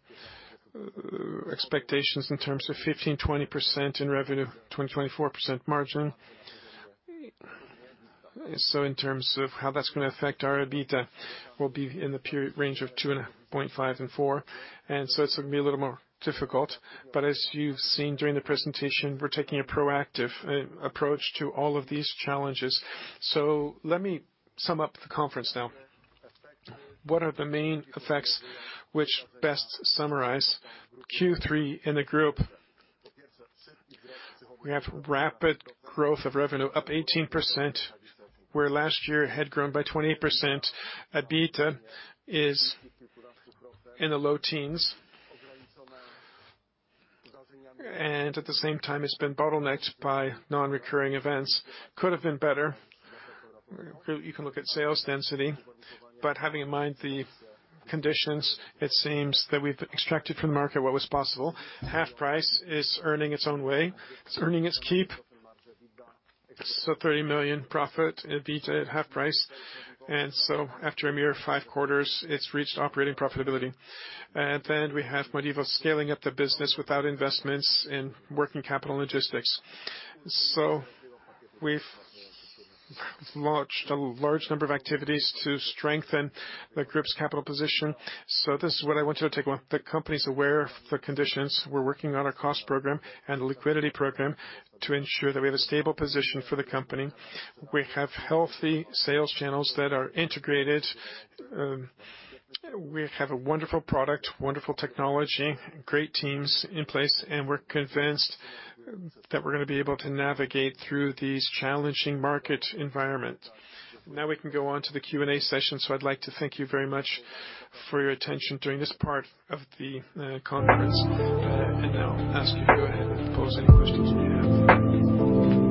expectations in terms of 15%-20% in revenue, 20%-24% margin. In terms of how that's gonna affect our EBITDA will be in the 2.5%-4% range, and so it's gonna be a little more difficult. As you've seen during the presentation, we're taking a proactive approach to all of these challenges. Let me sum up the conference now. What are the main effects which best summarize Q3 in the group? We have rapid growth of revenue, up 18%, where last year it had grown by 20%. EBITDA is in the low teens. At the same time, it's been bottlenecked by non-recurring events. Could have been better. You can look at sales density. Having in mind the conditions, it seems that we've extracted from the market what was possible. HalfPrice is earning its own way. It's earning its keep. PLN 30 million profit EBITDA at HalfPrice. After a mere five quarters, it's reached operating profitability. We have Modivo scaling up the business without investments in working capital logistics. We've launched a large number of activities to strengthen the group's capital position. This is what I want you to take away. The company is aware of the conditions. We're working on our cost program and liquidity program to ensure that we have a stable position for the company. We have healthy sales channels that are integrated. We have a wonderful product, wonderful technology, great teams in place, and we're convinced that we're gonna be able to navigate through these challenging market environment. Now we can go on to the Q&A session. I'd like to thank you very much for your attention during this part of the conference. Now ask you to go ahead and pose any questions you have.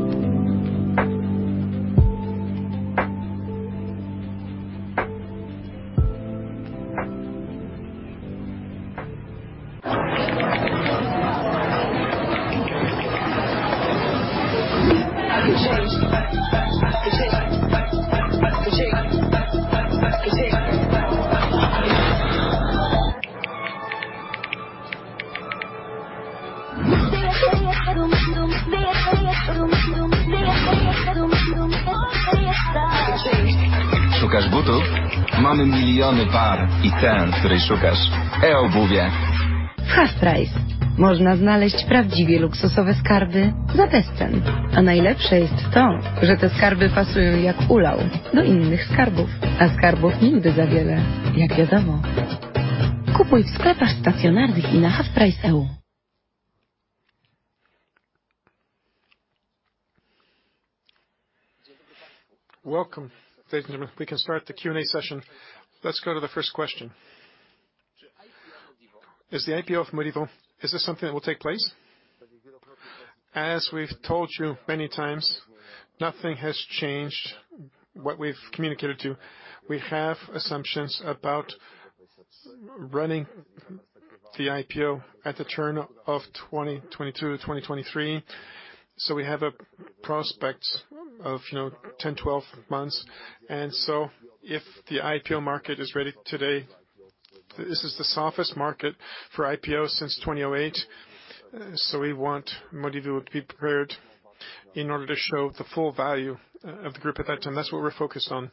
Welcome, ladies and gentlemen. We can start the Q&A session. Let's go to the first question. Is the IPO of Modivo, is this something that will take place? As we've told you many times, nothing has changed what we've communicated to you. We have assumptions about running the IPO at the turn of 2022-2023. We have a prospect of, you know, 10, 12 months. If the IPO market is ready today, this is the softest market for IPO since 2008. We want Modivo to be prepared in order to show the full value of the group at that time. That's what we're focused on.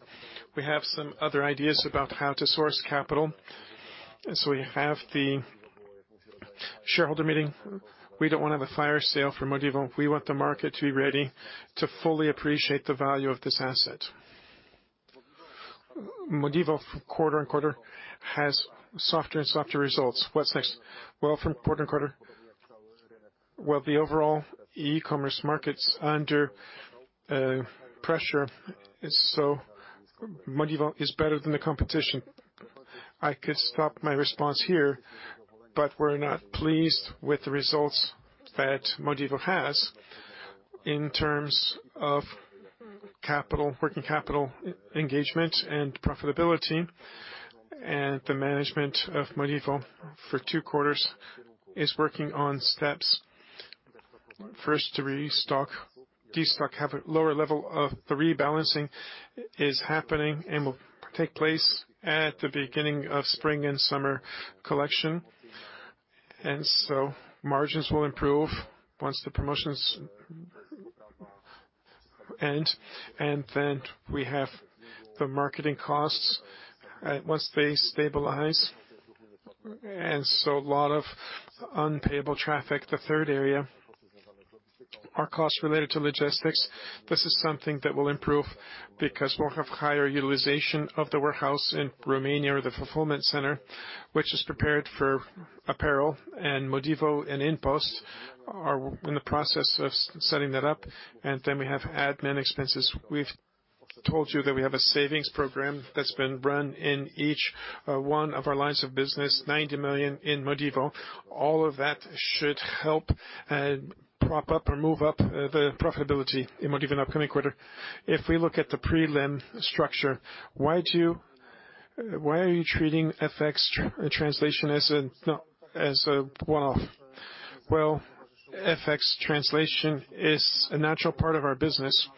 We have some other ideas about how to source capital. We have the shareholder meeting. We don't wanna have a fire sale for Modivo. We want the market to be ready to fully appreciate the value of this asset. Modivo, quarter-over-quarter, has softer and softer results. What's next? Well, the overall e-commerce market's under pressure, so Modivo is better than the competition. I could stop my response here, but we're not pleased with the results that Modivo has in terms of capital, working capital engagement and profitability. The management of Modivo for two quarters is working on steps. First, to restock, de-stock, have a lower level of the rebalancing is happening and will take place at the beginning of spring and summer collection. Margins will improve once the promotions end. We have the marketing costs once they stabilize, and so a lot of unpaid traffic. The third area are costs related to logistics. This is something that will improve because we'll have higher utilization of the warehouse in Romania or the fulfillment center, which is prepared for apparel. Modivo and InPost are in the process of setting that up. We have admin expenses. We've told you that we have a savings program that's been run in each one of our lines of business, 90 million in Modivo. All of that should help prop up or move up the profitability in Modivo in upcoming quarter. If we look at the prelim structure, why do you? Why are you treating FX translation as a one-off? Well, FX translation is a natural part of our business.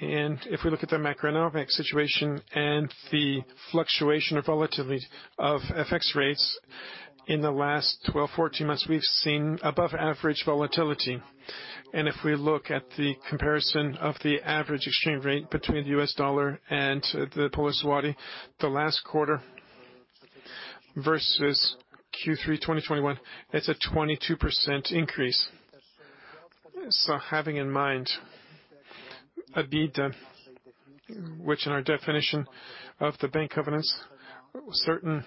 If we look at the macroeconomic situation and the fluctuation or volatility of FX rates in the last 12, 14 months, we've seen above average volatility. If we look at the comparison of the average exchange rate between the US dollar and the Polish zloty, the last quarter versus Q3 2021, it's a 22% increase. Having in mind EBITDA, which in our definition of the bank covenants, certain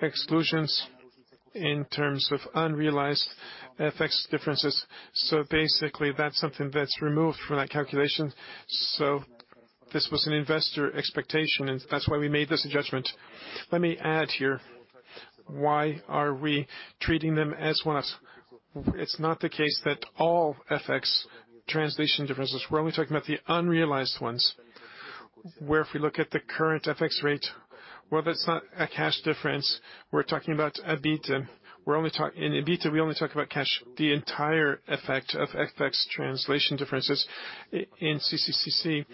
exclusions in terms of unrealized FX differences. Basically, that's something that's removed from that calculation. This was an investor expectation, and that's why we made this judgment. Let me add here. Why are we treating them as one? It's not the case that all FX translation differences. We're only talking about the unrealized ones, where if we look at the current FX rate, well, that's not a cash difference. We're talking about EBITDA. We're only talking... In EBITDA, we only talk about cash. The entire effect of FX translation differences in CCC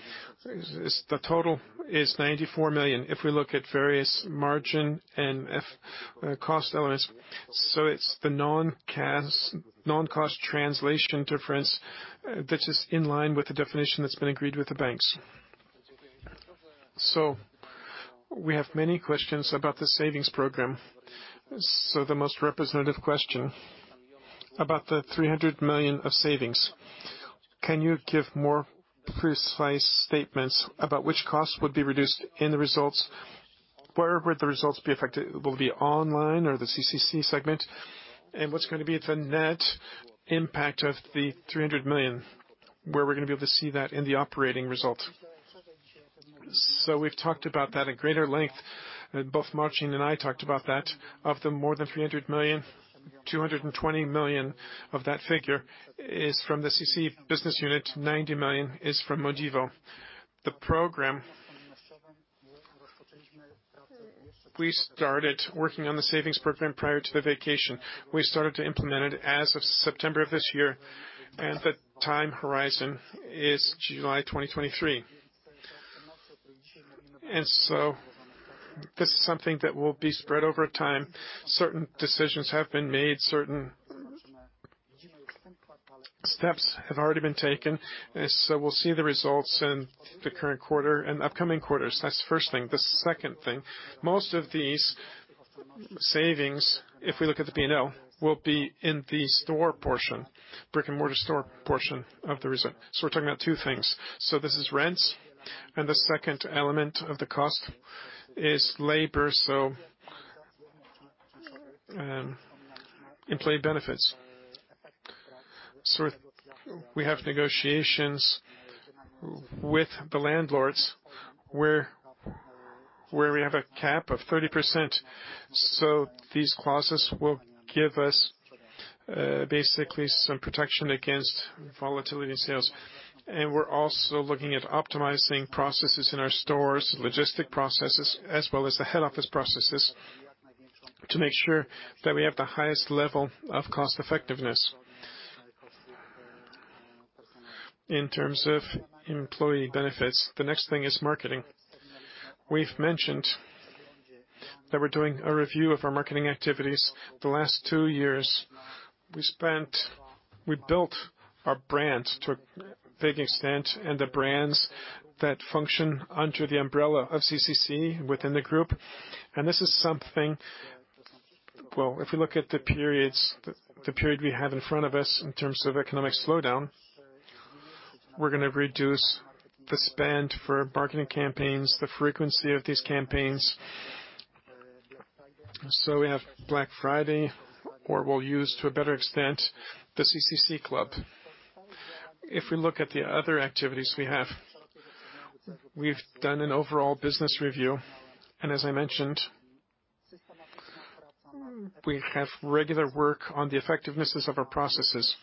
is the total is 94 million if we look at various margin and cost elements. It's the non-cost translation difference that is in line with the definition that's been agreed with the banks. We have many questions about the savings program. The most representative question about the 300 million of savings, can you give more precise statements about which costs would be reduced in the results? Where would the results be affected? Will it be online or the CCC segment? What's going to be the net impact of the 300 million, where we're gonna be able to see that in the operating results? We've talked about that at greater length. Both Marcin and I talked about that. Of the more than 300 million, 220 million of that figure is from the CCC business unit, 90 million is from Modivo. The program, we started working on the savings program prior to the vacation. We started to implement it as of September of this year, and the time horizon is July 2023. This is something that will be spread over time. Certain decisions have been made, certain steps have already been taken. We'll see the results in the current quarter and upcoming quarters. That's the first thing. The second thing, most of these savings, if we look at the P&L, will be in the store portion, brick-and-mortar store portion of the result. We're talking about two things. This is rents, and the second element of the cost is labor, employee benefits. We have negotiations with the landlords where we have a cap of 30%, so these clauses will give us basically some protection against volatility in sales. We're also looking at optimizing processes in our stores, logistic processes, as well as the head office processes to make sure that we have the highest level of cost effectiveness. In terms of employee benefits, the next thing is marketing. We've mentioned that we're doing a review of our marketing activities. The last two years, we built our brand to a big extent and the brands that function under the umbrella of CCC within the group. This is something, well, if you look at the periods, the period we have in front of us in terms of economic slowdown, we're gonna reduce the spend for marketing campaigns, the frequency of these campaigns. We have Black Friday, or we'll use to a better extent, the CCC Club. If we look at the other activities we have, we've done an overall business review, and as I mentioned, we have regular work on the effectiveness of our processes.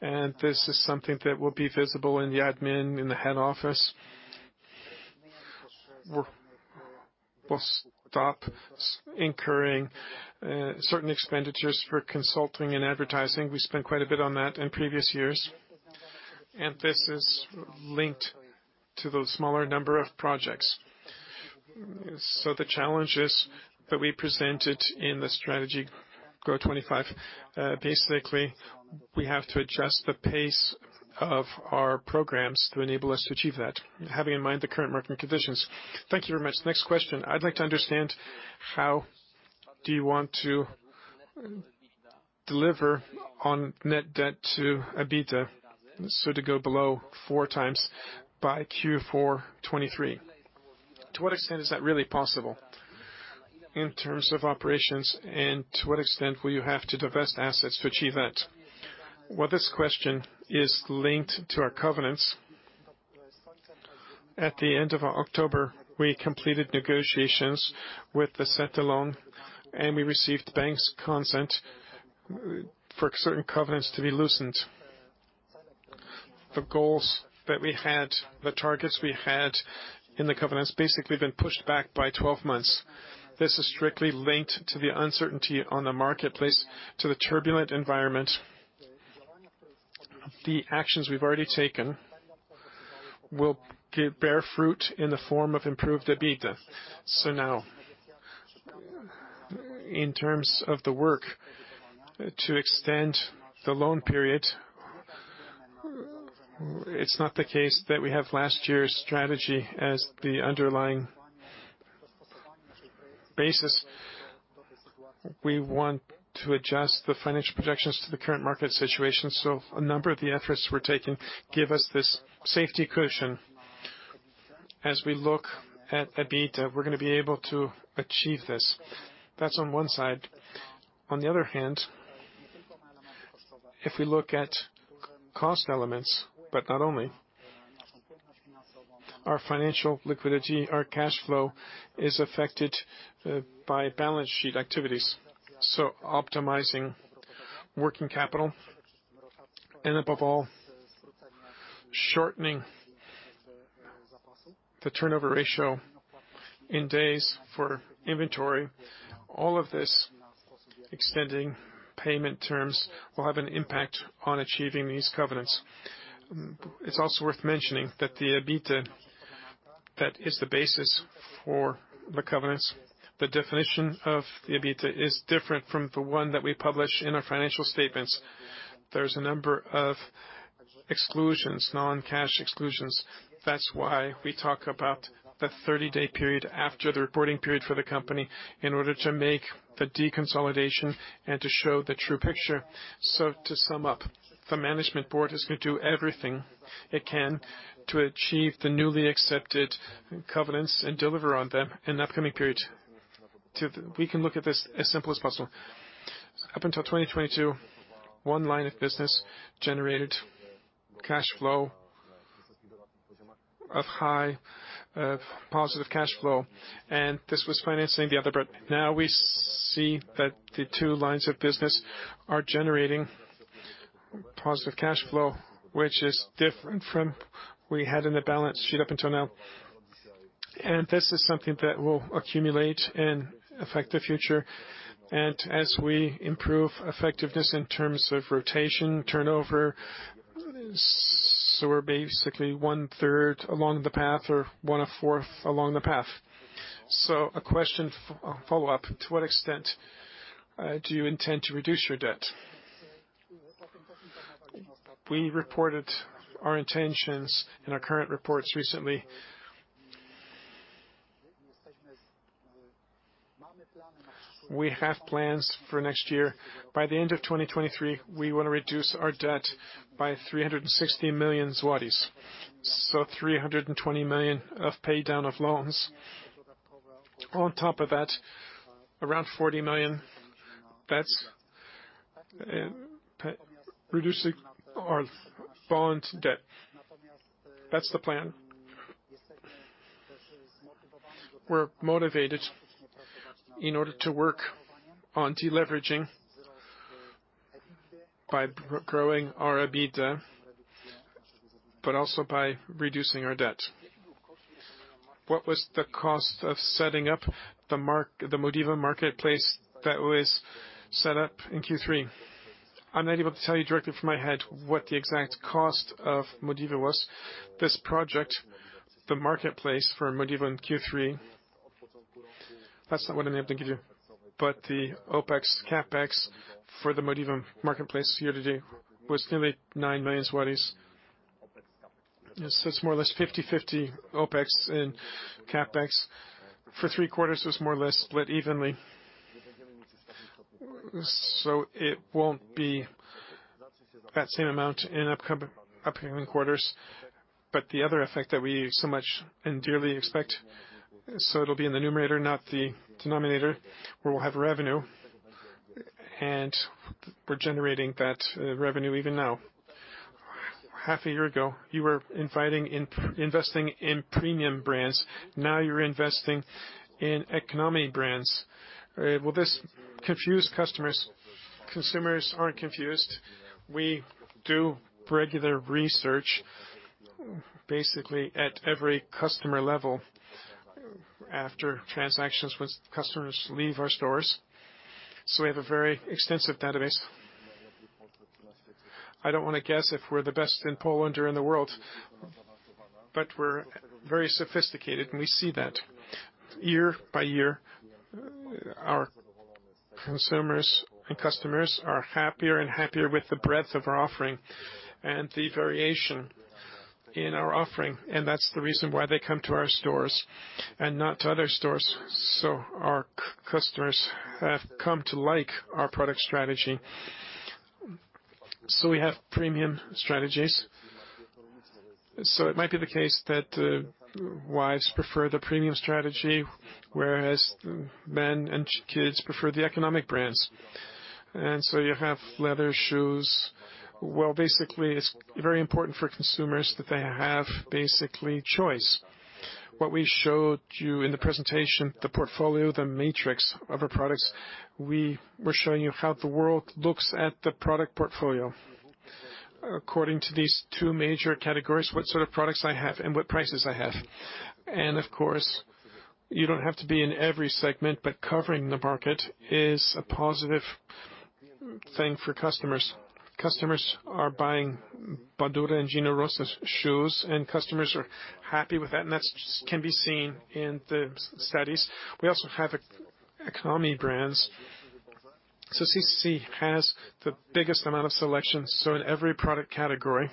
This is something that will be visible in the admin in the head office. We'll stop incurring certain expenditures for consulting and advertising. We spent quite a bit on that in previous years, and this is linked to the smaller number of projects. The challenges that we presented in the strategy GO.25, basically, we have to adjust the pace of our programs to enable us to achieve that, having in mind the current market conditions. Thank you very much. Next question. I'd like to understand how do you want to deliver on net debt to EBITDA, so to go below 4x by Q4 2023. To what extent is that really possible in terms of operations, and to what extent will you have to divest assets to achieve that? Well, this question is linked to our covenants. At the end of October, we completed negotiations with the syndicated loan, and we received the bank's consent for certain covenants to be loosened. The goals that we had, the targets we had in the covenants, basically been pushed back by 12 months. This is strictly linked to the uncertainty on the marketplace, to the turbulent environment. The actions we've already taken will bear fruit in the form of improved EBITDA. Now, in terms of the work to extend the loan period, it's not the case that we have last year's strategy as the underlying basis. We want to adjust the financial projections to the current market situation. A number of the efforts we're taking give us this safety cushion. As we look at EBITDA, we're gonna be able to achieve this. That's on one side. On the other hand. If we look at cost elements, but not only, our financial liquidity, our cash flow is affected by balance sheet activities. Optimizing working capital and above all, shortening the turnover ratio in days for inventory. All of this extending payment terms will have an impact on achieving these covenants. It's also worth mentioning that the EBITDA, that is the basis for the covenants. The definition of the EBITDA is different from the one that we publish in our financial statements. There's a number of exclusions, non-cash exclusions. That's why we talk about the 30-day period after the reporting period for the company in order to make the deconsolidation and to show the true picture. To sum up, the management board is gonna do everything it can to achieve the newly accepted covenants and deliver on them in the upcoming period. We can look at this as simple as possible. Up until 2022, one line of business generated cash flow of highly positive cash flow, and this was financing the other brand. Now we see that the two lines of business are generating positive cash flow, which is different from what we had in the balance sheet up until now. This is something that will accumulate and affect the future. As we improve effectiveness in terms of rotation, turnover, so we're basically one-third along the path or one-fourth along the path. A question, follow-up. To what extent do you intend to reduce your debt? We reported our intentions in our current reports recently. We have plans for next year. By the end of 2023, we wanna reduce our debt by 360 million zlotys. 320 million of paydown of loans. On top of that, around 40 million, that's reducing our bond debt. That's the plan. We're motivated in order to work on deleveraging by growing our EBITDA, but also by reducing our debt. What was the cost of setting up the Modivo marketplace that was set up in Q3? I'm not able to tell you directly from my head what the exact cost of Modivo was. This project, the marketplace for Modivo in Q3, that's not what I'm able to give you. The OpEx, CapEx for the Modivo marketplace year-to-date was nearly 9 million. It's more or less 50/50 OpEx and CapEx. For three quarters, it's more or less split evenly. It won't be that same amount in upcoming quarters. The other effect that we so much and dearly expect, it'll be in the numerator, not the denominator, where we'll have revenue, and we're generating that revenue even now. Half a year ago, you were investing in premium brands. Now you're investing in economy brands. Will this confuse customers? Consumers aren't confused. We do regular research basically at every customer level after transactions, once customers leave our stores. We have a very extensive database. I don't wanna guess if we're the best in Poland or in the world, but we're very sophisticated, and we see that year by year. Our consumers and customers are happier and happier with the breadth of our offering and the variation in our offering, and that's the reason why they come to our stores and not to other stores. Our customers have come to like our product strategy. We have premium strategies. It might be the case that wives prefer the premium strategy, whereas men and kids prefer the economic brands. You have leather shoes. Well, basically, it's very important for consumers that they have basically choice. What we showed you in the presentation, the portfolio, the matrix of our products, we were showing you how the world looks at the product portfolio. According to these two major categories, what sort of products I have and what prices I have. Of course, you don't have to be in every segment, but covering the market is a positive thing for customers. Customers are buying Badura and Gino Rossi shoes, and customers are happy with that, and that can be seen in the studies. We also have economy brands. CCC has the biggest amount of selection, so in every product category,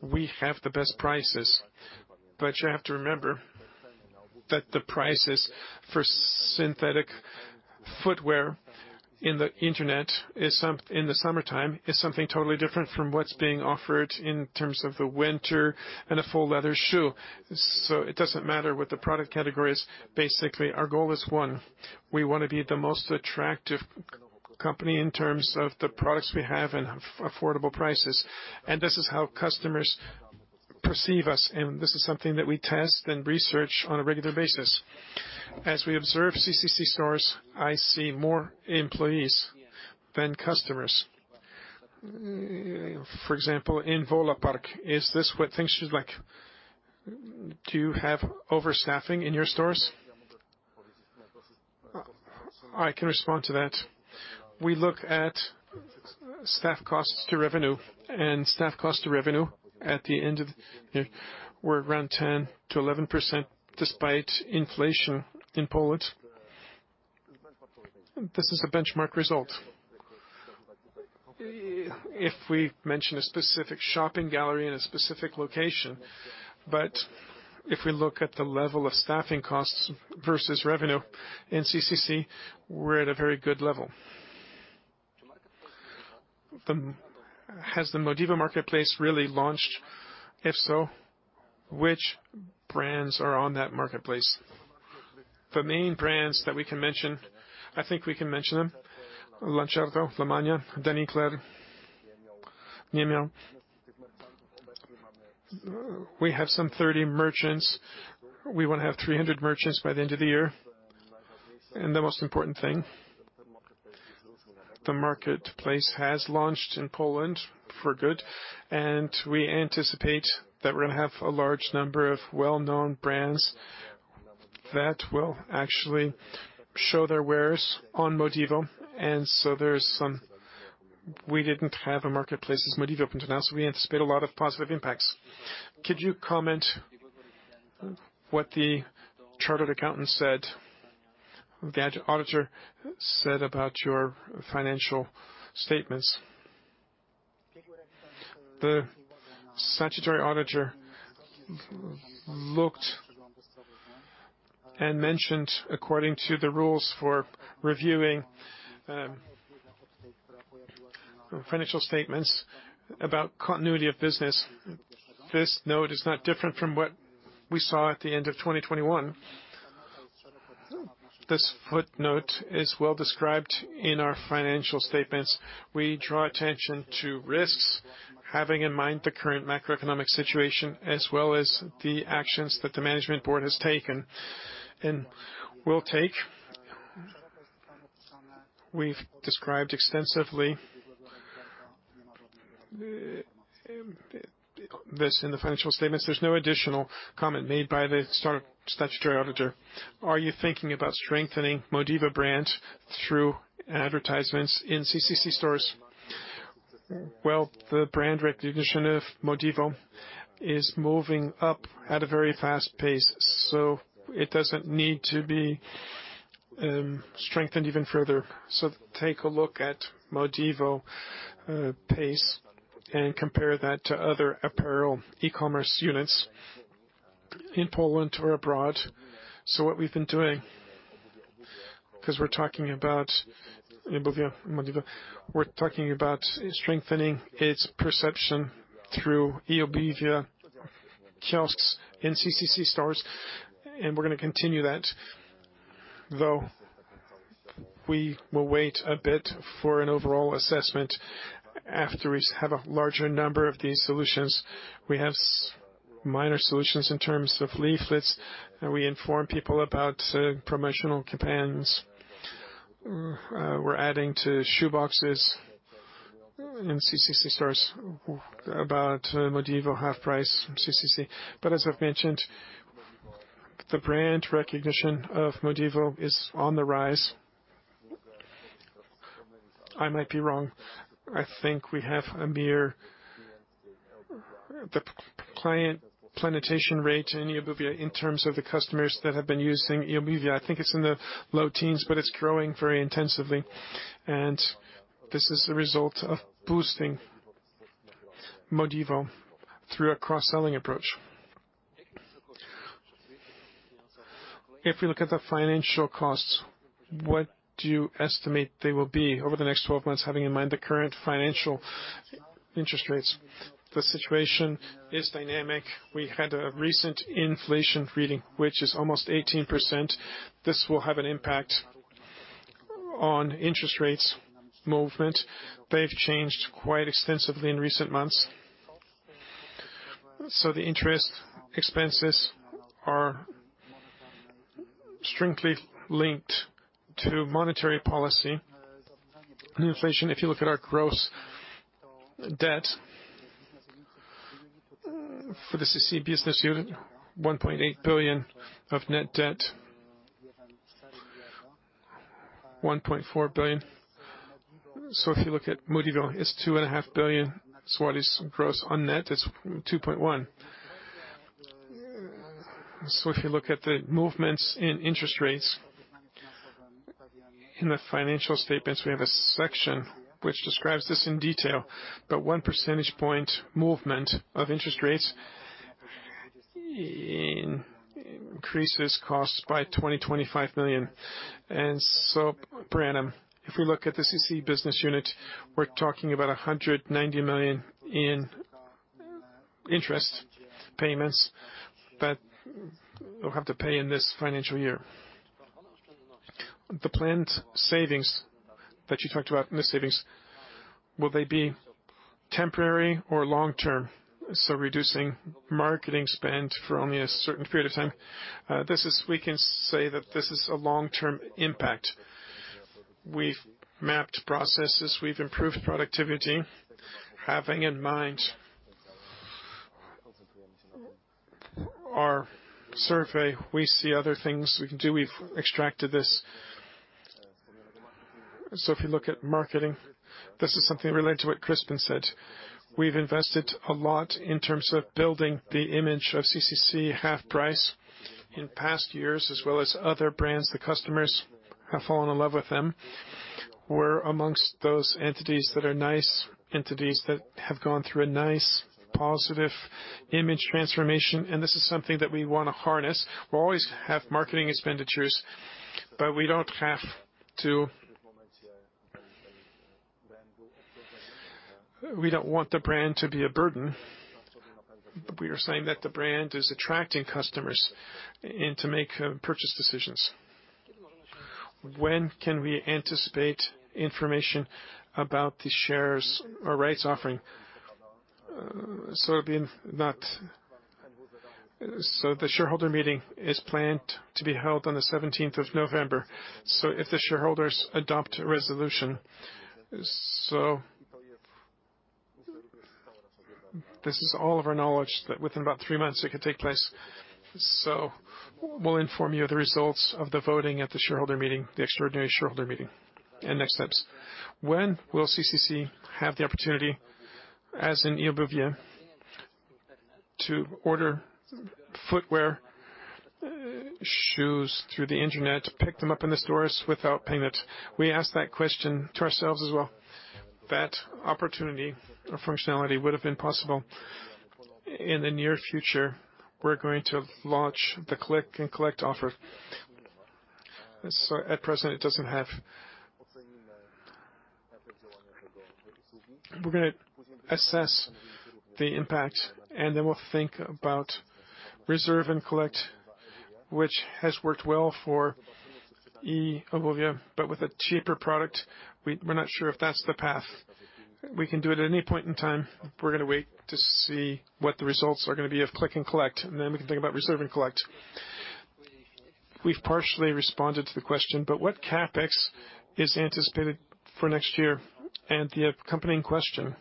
we have the best prices. You have to remember that the prices for synthetic footwear on the internet is some, in the summertime, is something totally different from what's being offered in terms of the winter and a full leather shoe. It doesn't matter what the product category is. Basically, our goal is one. We wanna be the most attractive company in terms of the products we have and affordable prices. This is how customers perceive us, and this is something that we test and research on a regular basis. As we observe CCC stores, I see more employees than customers, for example, in Wola Park. Is this what things you'd like? Do you have overstaffing in your stores? I can respond to that. We look at staff costs to revenue, and staff cost to revenue at the end of the. We're around 10%-11% despite inflation in Poland. This is a benchmark result. If we mention a specific shopping gallery in a specific location, but if we look at the level of staffing costs versus revenue in CCC, we're at a very good level. Has the Modivo marketplace really launched? If so, which brands are on that marketplace? The main brands that we can mention, I think we can mention them. Lancerto, Fracomina, Deni Cler, Jemioł. We have some 30 merchants. We wanna have 300 merchants by the end of the year. The most important thing, the marketplace has launched in Poland for good, and we anticipate that we're gonna have a large number of well-known brands that will actually show their wares on Modivo. We didn't have a marketplace as Modivo up until now, so we anticipate a lot of positive impacts. Could you comment what the chartered accountant said, the auditor said about your financial statements? The statutory auditor looked and mentioned according to the rules for reviewing, financial statements about continuity of business. This note is not different from what we saw at the end of 2021. This footnote is well-described in our financial statements. We draw attention to risks, having in mind the current macroeconomic situation, as well as the actions that the management board has taken and will take. We've described extensively this in the financial statements. There's no additional comment made by the statutory auditor. Are you thinking about strengthening Modivo brand through advertisements in CCC stores? Well, the brand recognition of Modivo is moving up at a very fast pace, so it doesn't need to be strengthened even further. Take a look at Modivo pace and compare that to other apparel e-commerce units in Poland or abroad. What we've been doing, because we're talking about eobuwie, Modivo, we're talking about strengthening its perception through eobuwie kiosks in CCC stores, and we're gonna continue that. Though we will wait a bit for an overall assessment after we have a larger number of these solutions. We have minor solutions in terms of leaflets. We inform people about promotional campaigns. We're adding to shoeboxes in CCC stores about Modivo, HalfPrice, CCC. As I've mentioned, the brand recognition of Modivo is on the rise. I might be wrong. I think we have a mere. The client penetration rate in eobuwie in terms of the customers that have been using eobuwie, I think it's in the low teens, but it's growing very intensively. This is the result of boosting Modivo through a cross-selling approach. If we look at the financial costs, what do you estimate they will be over the next 12 months, having in mind the current financial interest rates? The situation is dynamic. We had a recent inflation reading, which is almost 18%. This will have an impact on interest rates movement. They've changed quite extensively in recent months. The interest expenses are strictly linked to monetary policy. Inflation, if you look at our gross debt, for the CCC business unit, 1.8 billion of net debt, 1.4 billion. If you look at Modivo, it's 2.5 billion. What is gross on net? It's 2.1. If you look at the movements in interest rates in the financial statements, we have a section which describes this in detail. One percentage point movement of interest rates increases costs by 20 million-25 million. Per annum, if we look at the CCC business unit, we're talking about 190 million in interest payments that we'll have to pay in this financial year. The planned savings that you talked about, net savings, will they be temporary or long-term? Reducing marketing spend for only a certain period of time. We can say that this is a long-term impact. We've mapped processes. We've improved productivity. Having in mind our survey, we see other things we can do. We've extracted this. If you look at marketing, this is something related to what Kryspin said. We've invested a lot in terms of building the image of CCC HalfPrice in past years, as well as other brands. The customers have fallen in love with them. We're amongst those entities that are nice entities that have gone through a nice positive image transformation, and this is something that we wanna harness. We'll always have marketing expenditures, but we don't have to. We don't want the brand to be a burden. We are saying that the brand is attracting customers and to make purchase decisions. When can we anticipate information about the shares or rights offering? The shareholder meeting is planned to be held on the seventeenth of November. If the shareholders adopt a resolution. This is all of our knowledge that within about three months it could take place. We'll inform you of the results of the voting at the shareholder meeting, the extraordinary shareholder meeting, and next steps. When will CCC have the opportunity, as in eobuwie, to order footwear, shoes through the internet, pick them up in the stores without paying it? We asked that question to ourselves as well. That opportunity or functionality would've been possible. In the near future, we're going to launch the click and collect offer. At present, it doesn't have. We're gonna assess the impact, and then we'll think about reserve and collect, which has worked well for eobuwie. With a cheaper product, we're not sure if that's the path. We can do it at any point in time. We're gonna wait to see what the results are gonna be of Click and Collect, and then we can think about Reserve and Collect. We've partially responded to the question, but what CapEx is anticipated for next year? The accompanying question,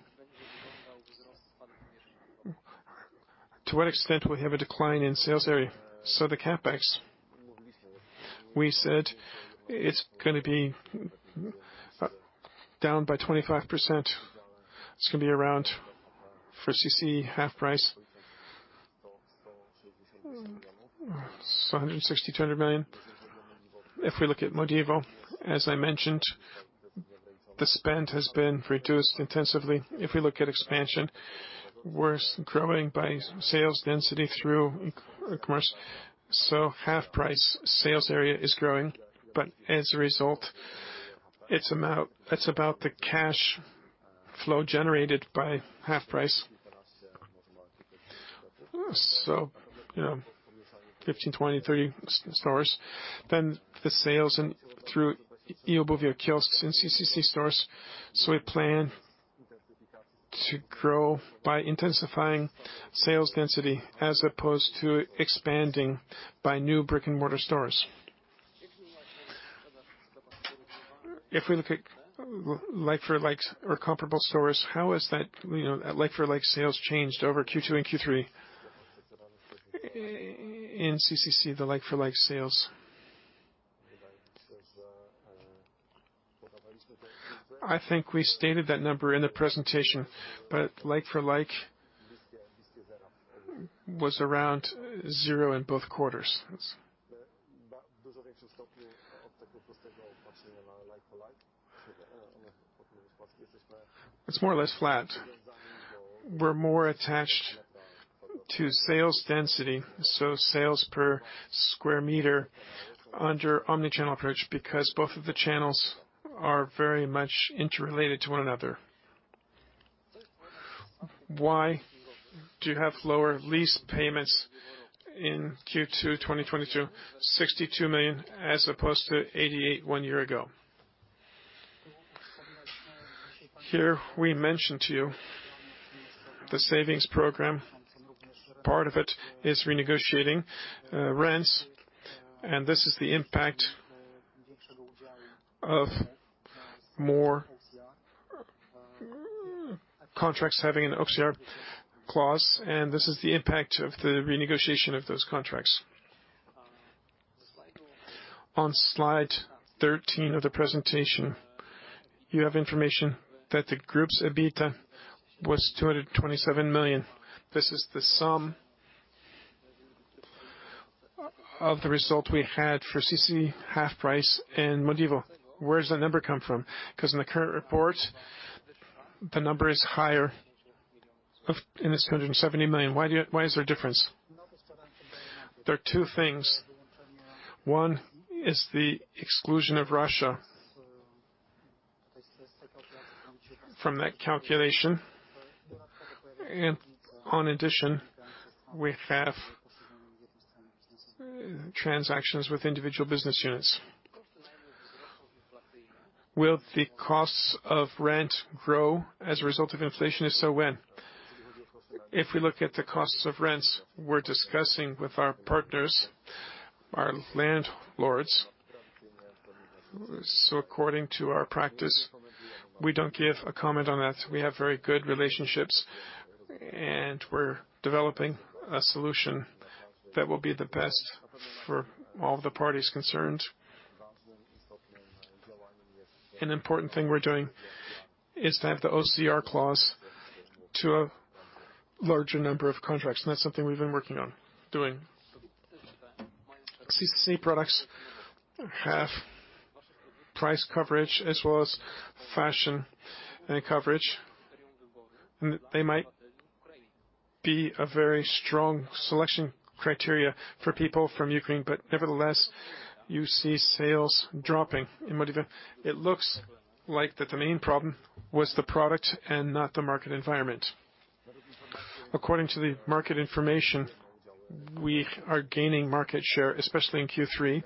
to what extent will we have a decline in sales area? The CapEx, we said it's gonna be down by 25%. It's gonna be around, for CCC, HalfPrice, so 160 million-20 million. If we look at Modivo, as I mentioned, the spend has been reduced intensively. If we look at expansion, we're growing by sales density through e-commerce, so HalfPrice sales area is growing, but as a result, it's about the cash flow generated by HalfPrice. You know, 15, 20, 30 stores. Then the sales through eobuwie kiosks in CCC stores. We plan to grow by intensifying sales density as opposed to expanding by new brick-and-mortar stores. If we look at like-for-like or comparable stores, how has that, you know, like-for-like sales changed over Q2 and Q3? In CCC, the like-for-like sales. I think we stated that number in the presentation, but like-for-like was around 0% in both quarters. It's more or less flat. We're more attached to sales density, so sales per square meter under omni-channel approach because both of the channels are very much interrelated to one another. Why do you have lower lease payments in Q2 2022, 62 million as opposed to 88 million one year ago? Here we mentioned to you the savings program. Part of it is renegotiating rents, and this is the impact of more contracts having an OCR clause, and this is the impact of the renegotiation of those contracts. On slide 13 of the presentation, you have information that the group's EBITDA was 227 million. This is the sum of the result we had for CCC, HalfPrice and Modivo. Where does that number come from? 'Cause in the current report, the number is higher, and it's 270 million. Why is there a difference? There are two things. One is the exclusion of Russia from that calculation. In addition, we have transactions with individual business units. Will the costs of rent grow as a result of inflation, if so, when? If we look at the costs of rent, we're discussing with our partners, our landlords. According to our practice, we don't give a comment on that. We have very good relationships, and we're developing a solution that will be the best for all the parties concerned. An important thing we're doing is to have the OCR clause to a larger number of contracts, and that's something we've been working on doing. CCC products have price coverage as well as fashion and coverage. They might be a very strong selection criteria for people from Ukraine, but nevertheless, you see sales dropping in Modivo. It looks like that the main problem was the product and not the market environment. According to the market information, we are gaining market share, especially in Q3.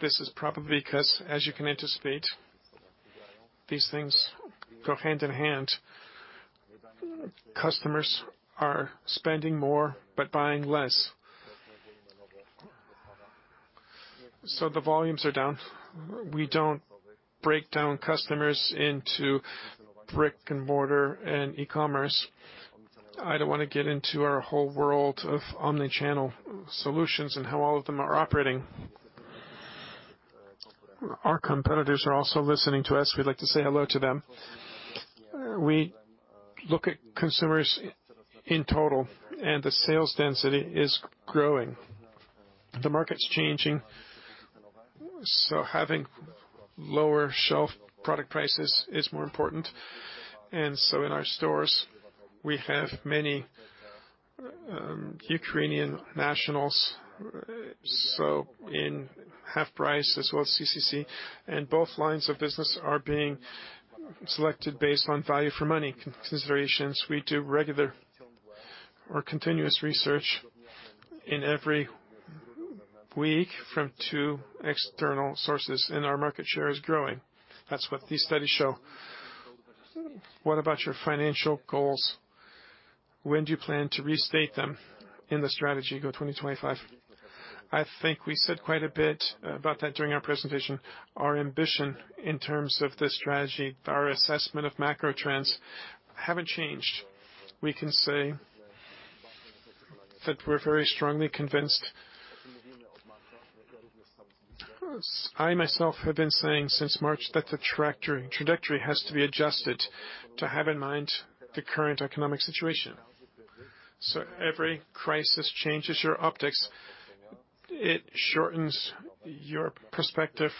This is probably 'cause as you can anticipate, these things go hand in hand. Customers are spending more but buying less. The volumes are down. We don't break down customers into brick and mortar and e-commerce. I don't wanna get into our whole world of Omni-channel solutions and how all of them are operating. Our competitors are also listening to us. We'd like to say hello to them. We look at consumers in total, and the sales density is growing. The market's changing, so having lower shelf product prices is more important. In our stores, we have many Ukrainian nationals. In HalfPrice as well as CCC, and both lines of business are being selected based on value for money considerations. We do regular or continuous research every week from two external sources, and our market share is growing. That's what these studies show. What about your financial goals? When do you plan to restate them in the strategy GO.25? I think we said quite a bit about that during our presentation. Our ambition in terms of the strategy, our assessment of macro trends haven't changed. We can say that we're very strongly convinced. I myself have been saying since March that the trajectory has to be adjusted to have in mind the current economic situation. Every crisis changes your optics. It shortens your perspective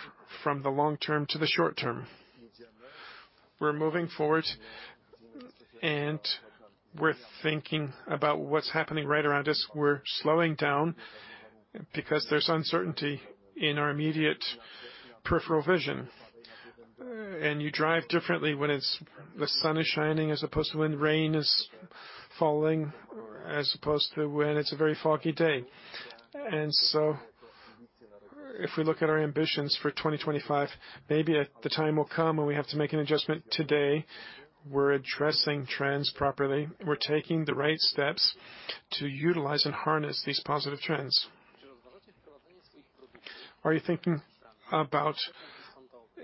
from the long term to the short term. We're moving forward and we're thinking about what's happening right around us. We're slowing down because there's uncertainty in our immediate peripheral vision. You drive differently when the sun is shining as opposed to when rain is falling, as opposed to when it's a very foggy day. If we look at our ambitions for 2025, maybe the time will come when we have to make an adjustment. Today, we're addressing trends properly. We're taking the right steps to utilize and harness these positive trends. Are you thinking about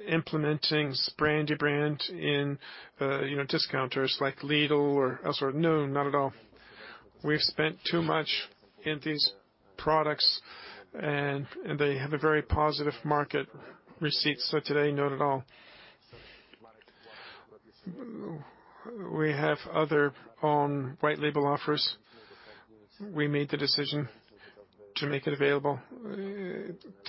implementing brand to brand in, you know, discounters like Lidl or elsewhere? No, not at all. We've spent too much on these products and they have a very positive market reception. Today, not at all. We have our own white label offers. We made the decision to make it available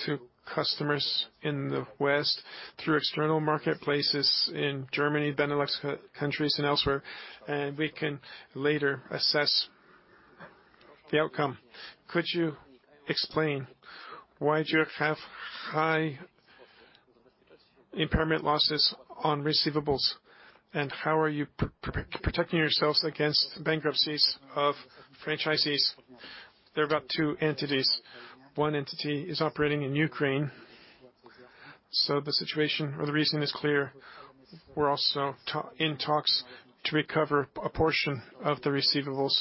to customers in the West through external marketplaces in Germany, Benelux countries and elsewhere, and we can later assess the outcome. Could you explain why do you have high impairment losses on receivables, and how are you protecting yourselves against bankruptcies of franchisees? There are about two entities. One entity is operating in Ukraine, so the situation or the reason is clear. We're also in talks to recover a portion of the receivables,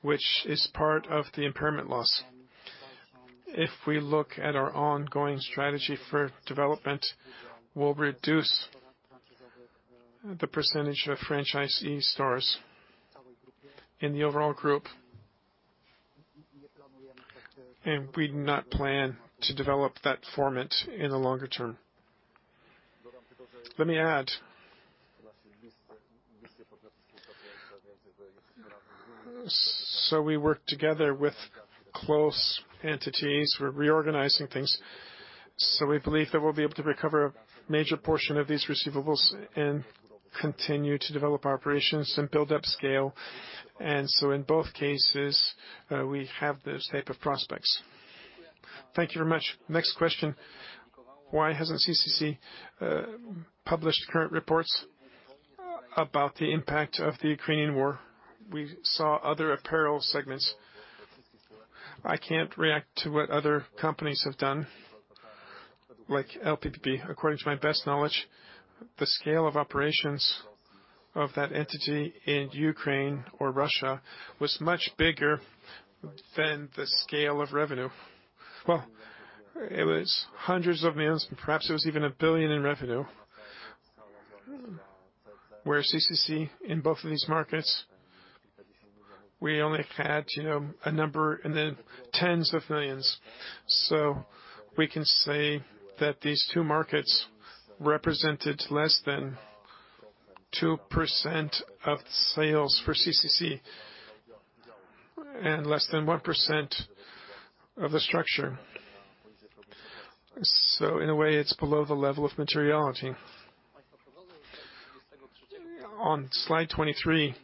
which is part of the impairment loss. If we look at our ongoing strategy for development, we'll reduce the percentage of franchisee stores in the overall group. We do not plan to develop that format in the longer term. Let me add. We work together with close entities. We're reorganizing things. We believe that we'll be able to recover a major portion of these receivables and continue to develop operations and build up scale. In both cases, we have those type of prospects. Thank you very much. Next question. Why hasn't CCC published current reports about the impact of the Ukrainian war? We saw other apparel segments. I can't react to what other companies have done, like LPP. According to my best knowledge, the scale of operations of that entity in Ukraine or Russia was much bigger than the scale of revenue. Well, it was hundreds of millions PLN, perhaps it was even 1 billion in revenue. Whereas CCC in both of these markets, we only had, you know, a number in the tens of millions PLN. We can say that these two markets represented less than 2% of sales for CCC and less than 1% of the structure. In a way, it's below the level of materiality. On slide 23,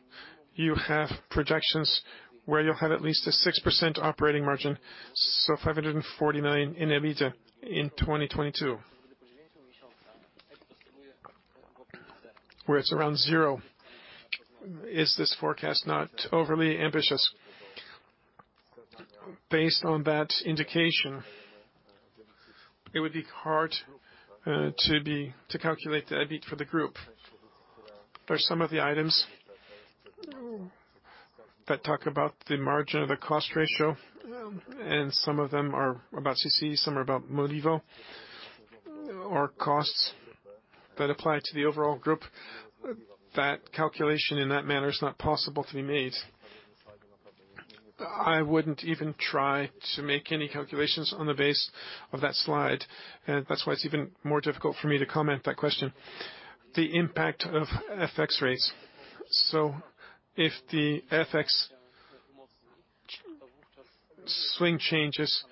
you have projections where you'll have at least a 6% operating margin, so 540 million in EBITDA in 2022. Where it's around zero. Is this forecast not overly ambitious? Based on that indication, it would be hard to calculate the EBIT for the group. There are some of the items that talk about the margin of the cost ratio, and some of them are about CCC, some are about Modivo, or costs that apply to the overall group. That calculation in that manner is not possible to be made. I wouldn't even try to make any calculations on the base of that slide. That's why it's even more difficult for me to comment that question. The impact of FX rates. If the FX swing changes,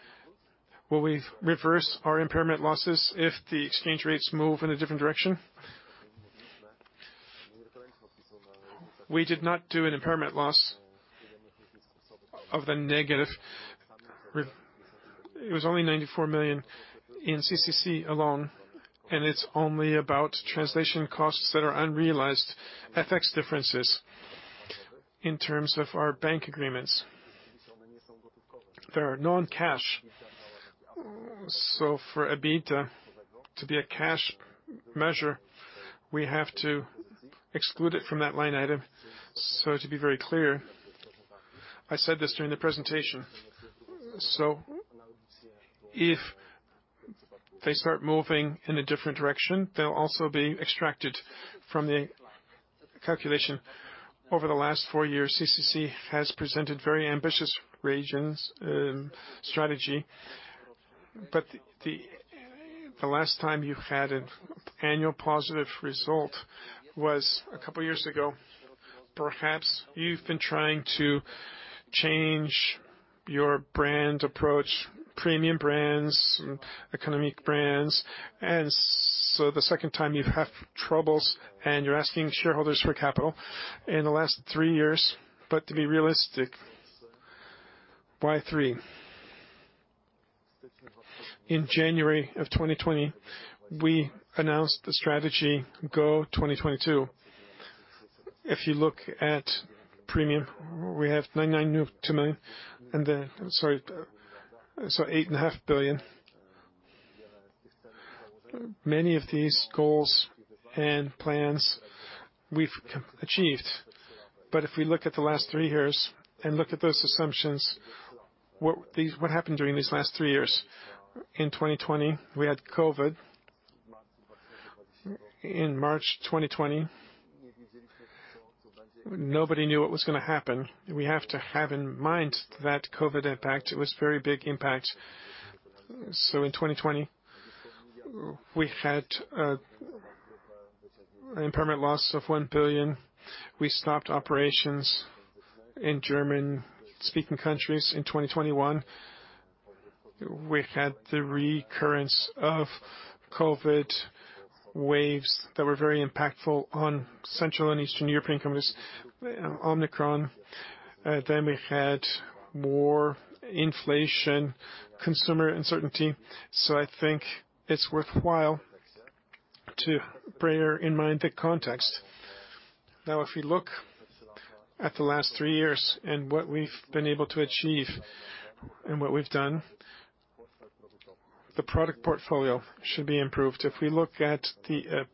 will we reverse our impairment losses if the exchange rates move in a different direction? We did not do an impairment loss of the negative. It was only 94 million in CCC alone, and it's only about translation costs that are unrealized FX differences in terms of our bank agreements. They are non-cash. For EBIT, to be a cash measure, we have to exclude it from that line item. To be very clear, I said this during the presentation. If they start moving in a different direction, they'll also be extracted from the calculation. Over the last four years, CCC has presented very ambitious regional strategy. The last time you had an annual positive result was a couple of years ago. Perhaps you've been trying to change your brand approach, premium brands, economic brands. The second time you have troubles, and you're asking shareholders for capital in the last three years. To be realistic, why three? In January of 2020, we announced the strategy GO.22. If you look at premium, we have 992 million. Sorry. 8.5 billion. Many of these goals and plans we've achieved. If we look at the last three years and look at those assumptions, what happened during these last three years? In 2020, we had COVID. In March 2020, nobody knew what was gonna happen. We have to have in mind that COVID impact, it was very big impact. In 2020, we had an impairment loss of 1 billion. We stopped operations in German-speaking countries in 2021. We had the recurrence of COVID waves that were very impactful on Central and Eastern European companies. Omicron, then we had more inflation, consumer uncertainty. I think it's worthwhile to bear in mind the context. Now, if we look at the last three years and what we've been able to achieve and what we've done, the product portfolio should be improved. If we look at the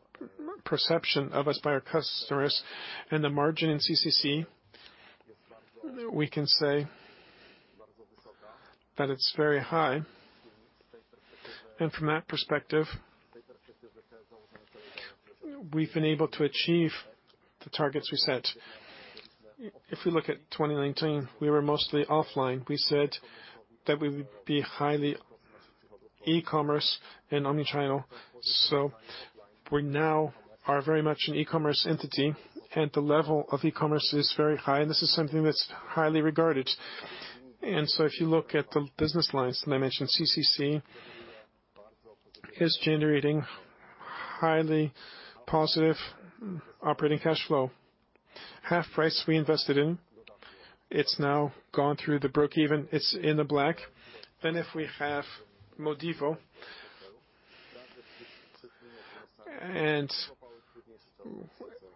perception of us by our customers and the margin in CCC, we can say that it's very high. From that perspective, we've been able to achieve the targets we set. If we look at 2019, we were mostly offline. We said that we would be highly e-commerce and omnichannel. We now are very much an e-commerce entity, and the level of e-commerce is very high, and this is something that's highly regarded. If you look at the business lines, I mentioned CCC is generating highly positive operating cash flow. HalfPrice we invested in, it's now gone through the break even. It's in the black. If we have Modivo.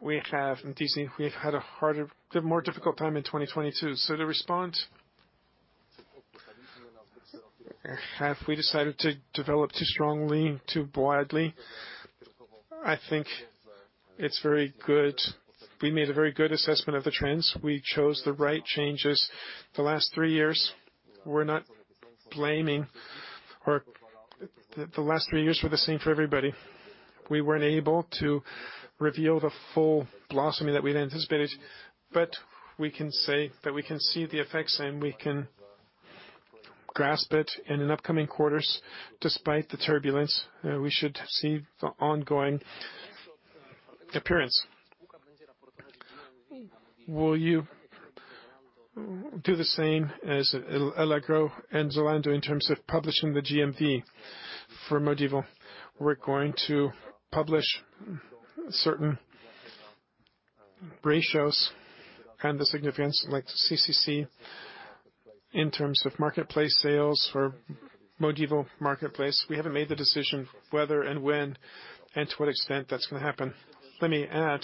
We have Deni Cler, we've had a more difficult time in 2022. To respond, have we decided to develop too strongly, too broadly? I think it's very good. We made a very good assessment of the trends. We chose the right changes. The last three years were the same for everybody. We weren't able to reveal the full blossoming that we'd anticipated, but we can say that we can see the effects and we can grasp it in upcoming quarters. Despite the turbulence, we should see the ongoing appearance. Will you do the same as Allegro and Zalando in terms of publishing the GMV for Modivo? We're going to publish certain ratios and the significance like CCC in terms of marketplace sales for Modivo marketplace. We haven't made the decision whether and when and to what extent that's gonna happen. Let me add,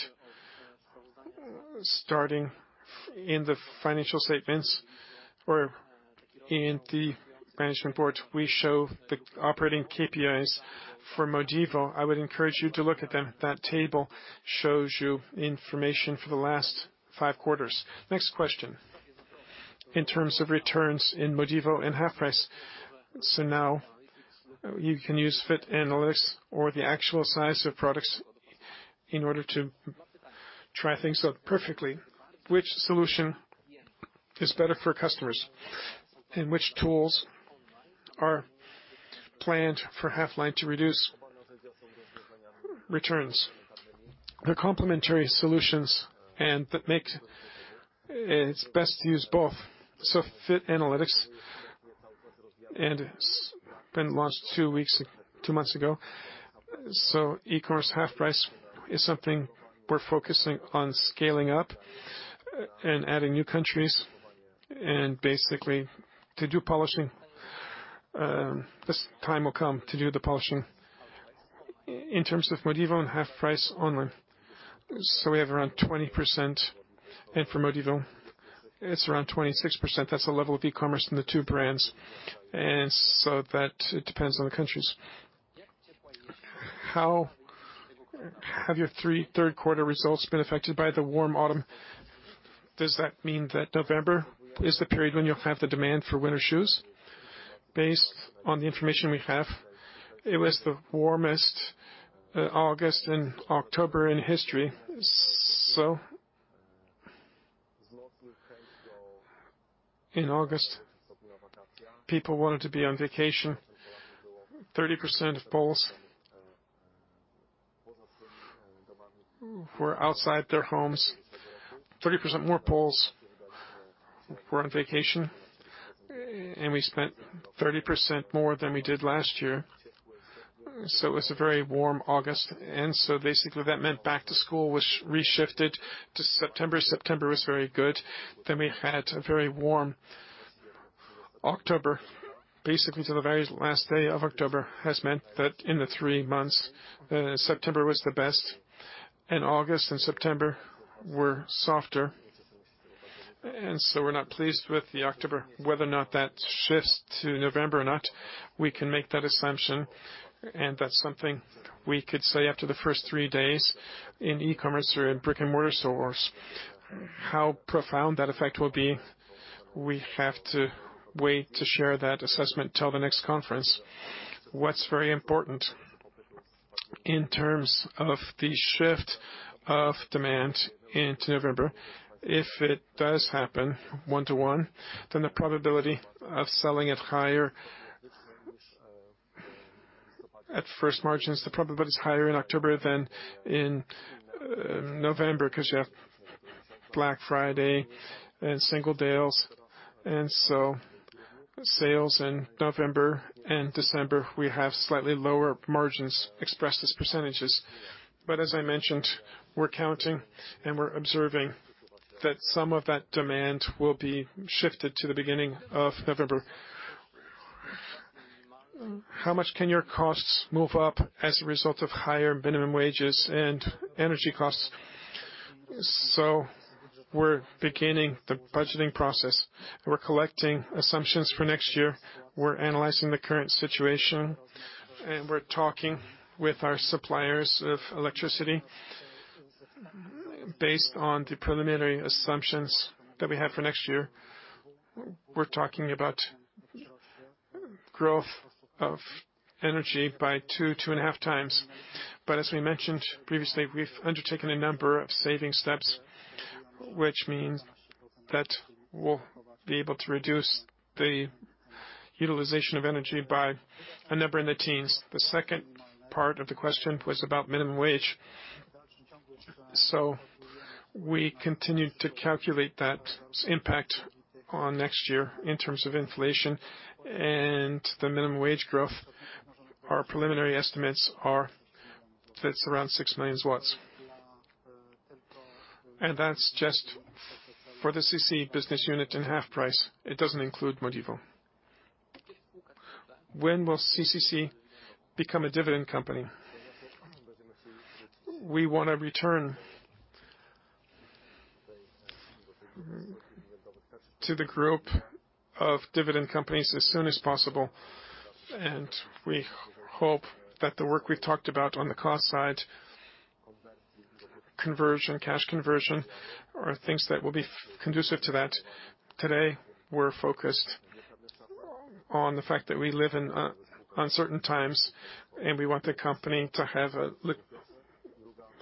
starting in the financial statements or in the management board, we show the operating KPIs for Modivo. I would encourage you to look at them. That table shows you information for the last five quarters. Next question. In terms of returns in Modivo and HalfPrice, now you can use Fit Analytics or the actual size of products in order to try things out perfectly. Which solution is better for customers? Which tools are planned for HalfPrice to reduce returns? They're complementary solutions and that makes it best to use both. Fit Analytics and it's been launched two months ago. E-commerce HalfPrice is something we're focusing on scaling up and adding new countries and basically to do polishing, this time will come to do the polishing. In terms of Modivo and HalfPrice only. We have around 20%, and for Modivo, it's around 26%. That's the level of e-commerce in the two brands. That depends on the countries. How have your third quarter results been affected by the warm autumn? Does that mean that November is the period when you'll have the demand for winter shoes? Based on the information we have, it was the warmest August and October in history. In August, people wanted to be on vacation. 30% of Poles were outside their homes. 30% more Poles were on vacation. And we spent 30% more than we did last year. It was a very warm August. Basically that meant back to school was reshifted to September. September was very good. We had a very warm October, basically till the very last day of October, has meant that in the three months, September was the best, and August and September were softer. We're not pleased with the October. Whether or not that shifts to November or not, we can make that assumption, and that's something we could say after the first three days in e-commerce or in brick-and-mortar stores. How profound that effect will be, we have to wait to share that assessment till the next conference. What's very important in terms of the shift of demand into November, if it does happen one to one, then the probability of selling at higher margins, the probability is higher in October than in November because you have Black Friday and Singles' Day. Sales in November and December, we have slightly lower margins expressed as percentages. As I mentioned, we're counting and we're observing that some of that demand will be shifted to the beginning of November. How much can your costs move up as a result of higher minimum wages and energy costs? We're beginning the budgeting process. We're collecting assumptions for next year. We're analyzing the current situation, and we're talking with our suppliers of electricity. Based on the preliminary assumptions that we have for next year, we're talking about growth of energy by two-2.5x. As we mentioned previously, we've undertaken a number of saving steps, which means that we'll be able to reduce the utilization of energy by a number in the teens. The second part of the question was about minimum wage. We continue to calculate that impact on next year in terms of inflation and the minimum wage growth. Our preliminary estimates are that it's around 6 million. That's just for the CCC business unit and HalfPrice. It doesn't include Modivo. When will CCC become a dividend company? We wanna return to the group of dividend companies as soon as possible, and we hope that the work we've talked about on the cost side, conversion, cash conversion, are things that will be conducive to that. Today, we're focused on the fact that we live in uncertain times, and we want the company to have a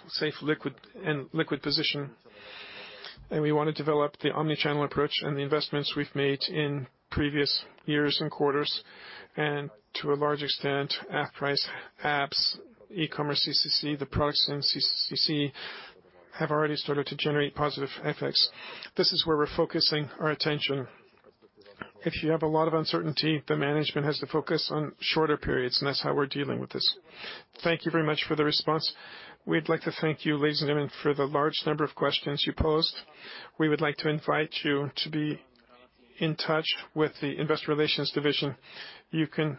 safe liquid position. We wanna develop the omni-channel approach and the investments we've made in previous years and quarters, and to a large extent, HalfPrice apps, e-commerce CCC, the products in CCC, have already started to generate positive effects. This is where we're focusing our attention. If you have a lot of uncertainty, the management has to focus on shorter periods, and that's how we're dealing with this. Thank you very much for the response. We'd like to thank you, ladies and gentlemen, for the large number of questions you posed. We would like to invite you to be in touch with the investor relations division. You can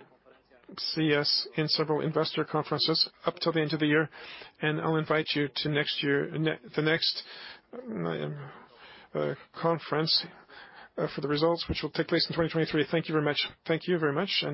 see us in several investor conferences up till the end of the year. I'll invite you to next year, the next conference for the results which will take place in 2023. Thank you very much. Thank you very much.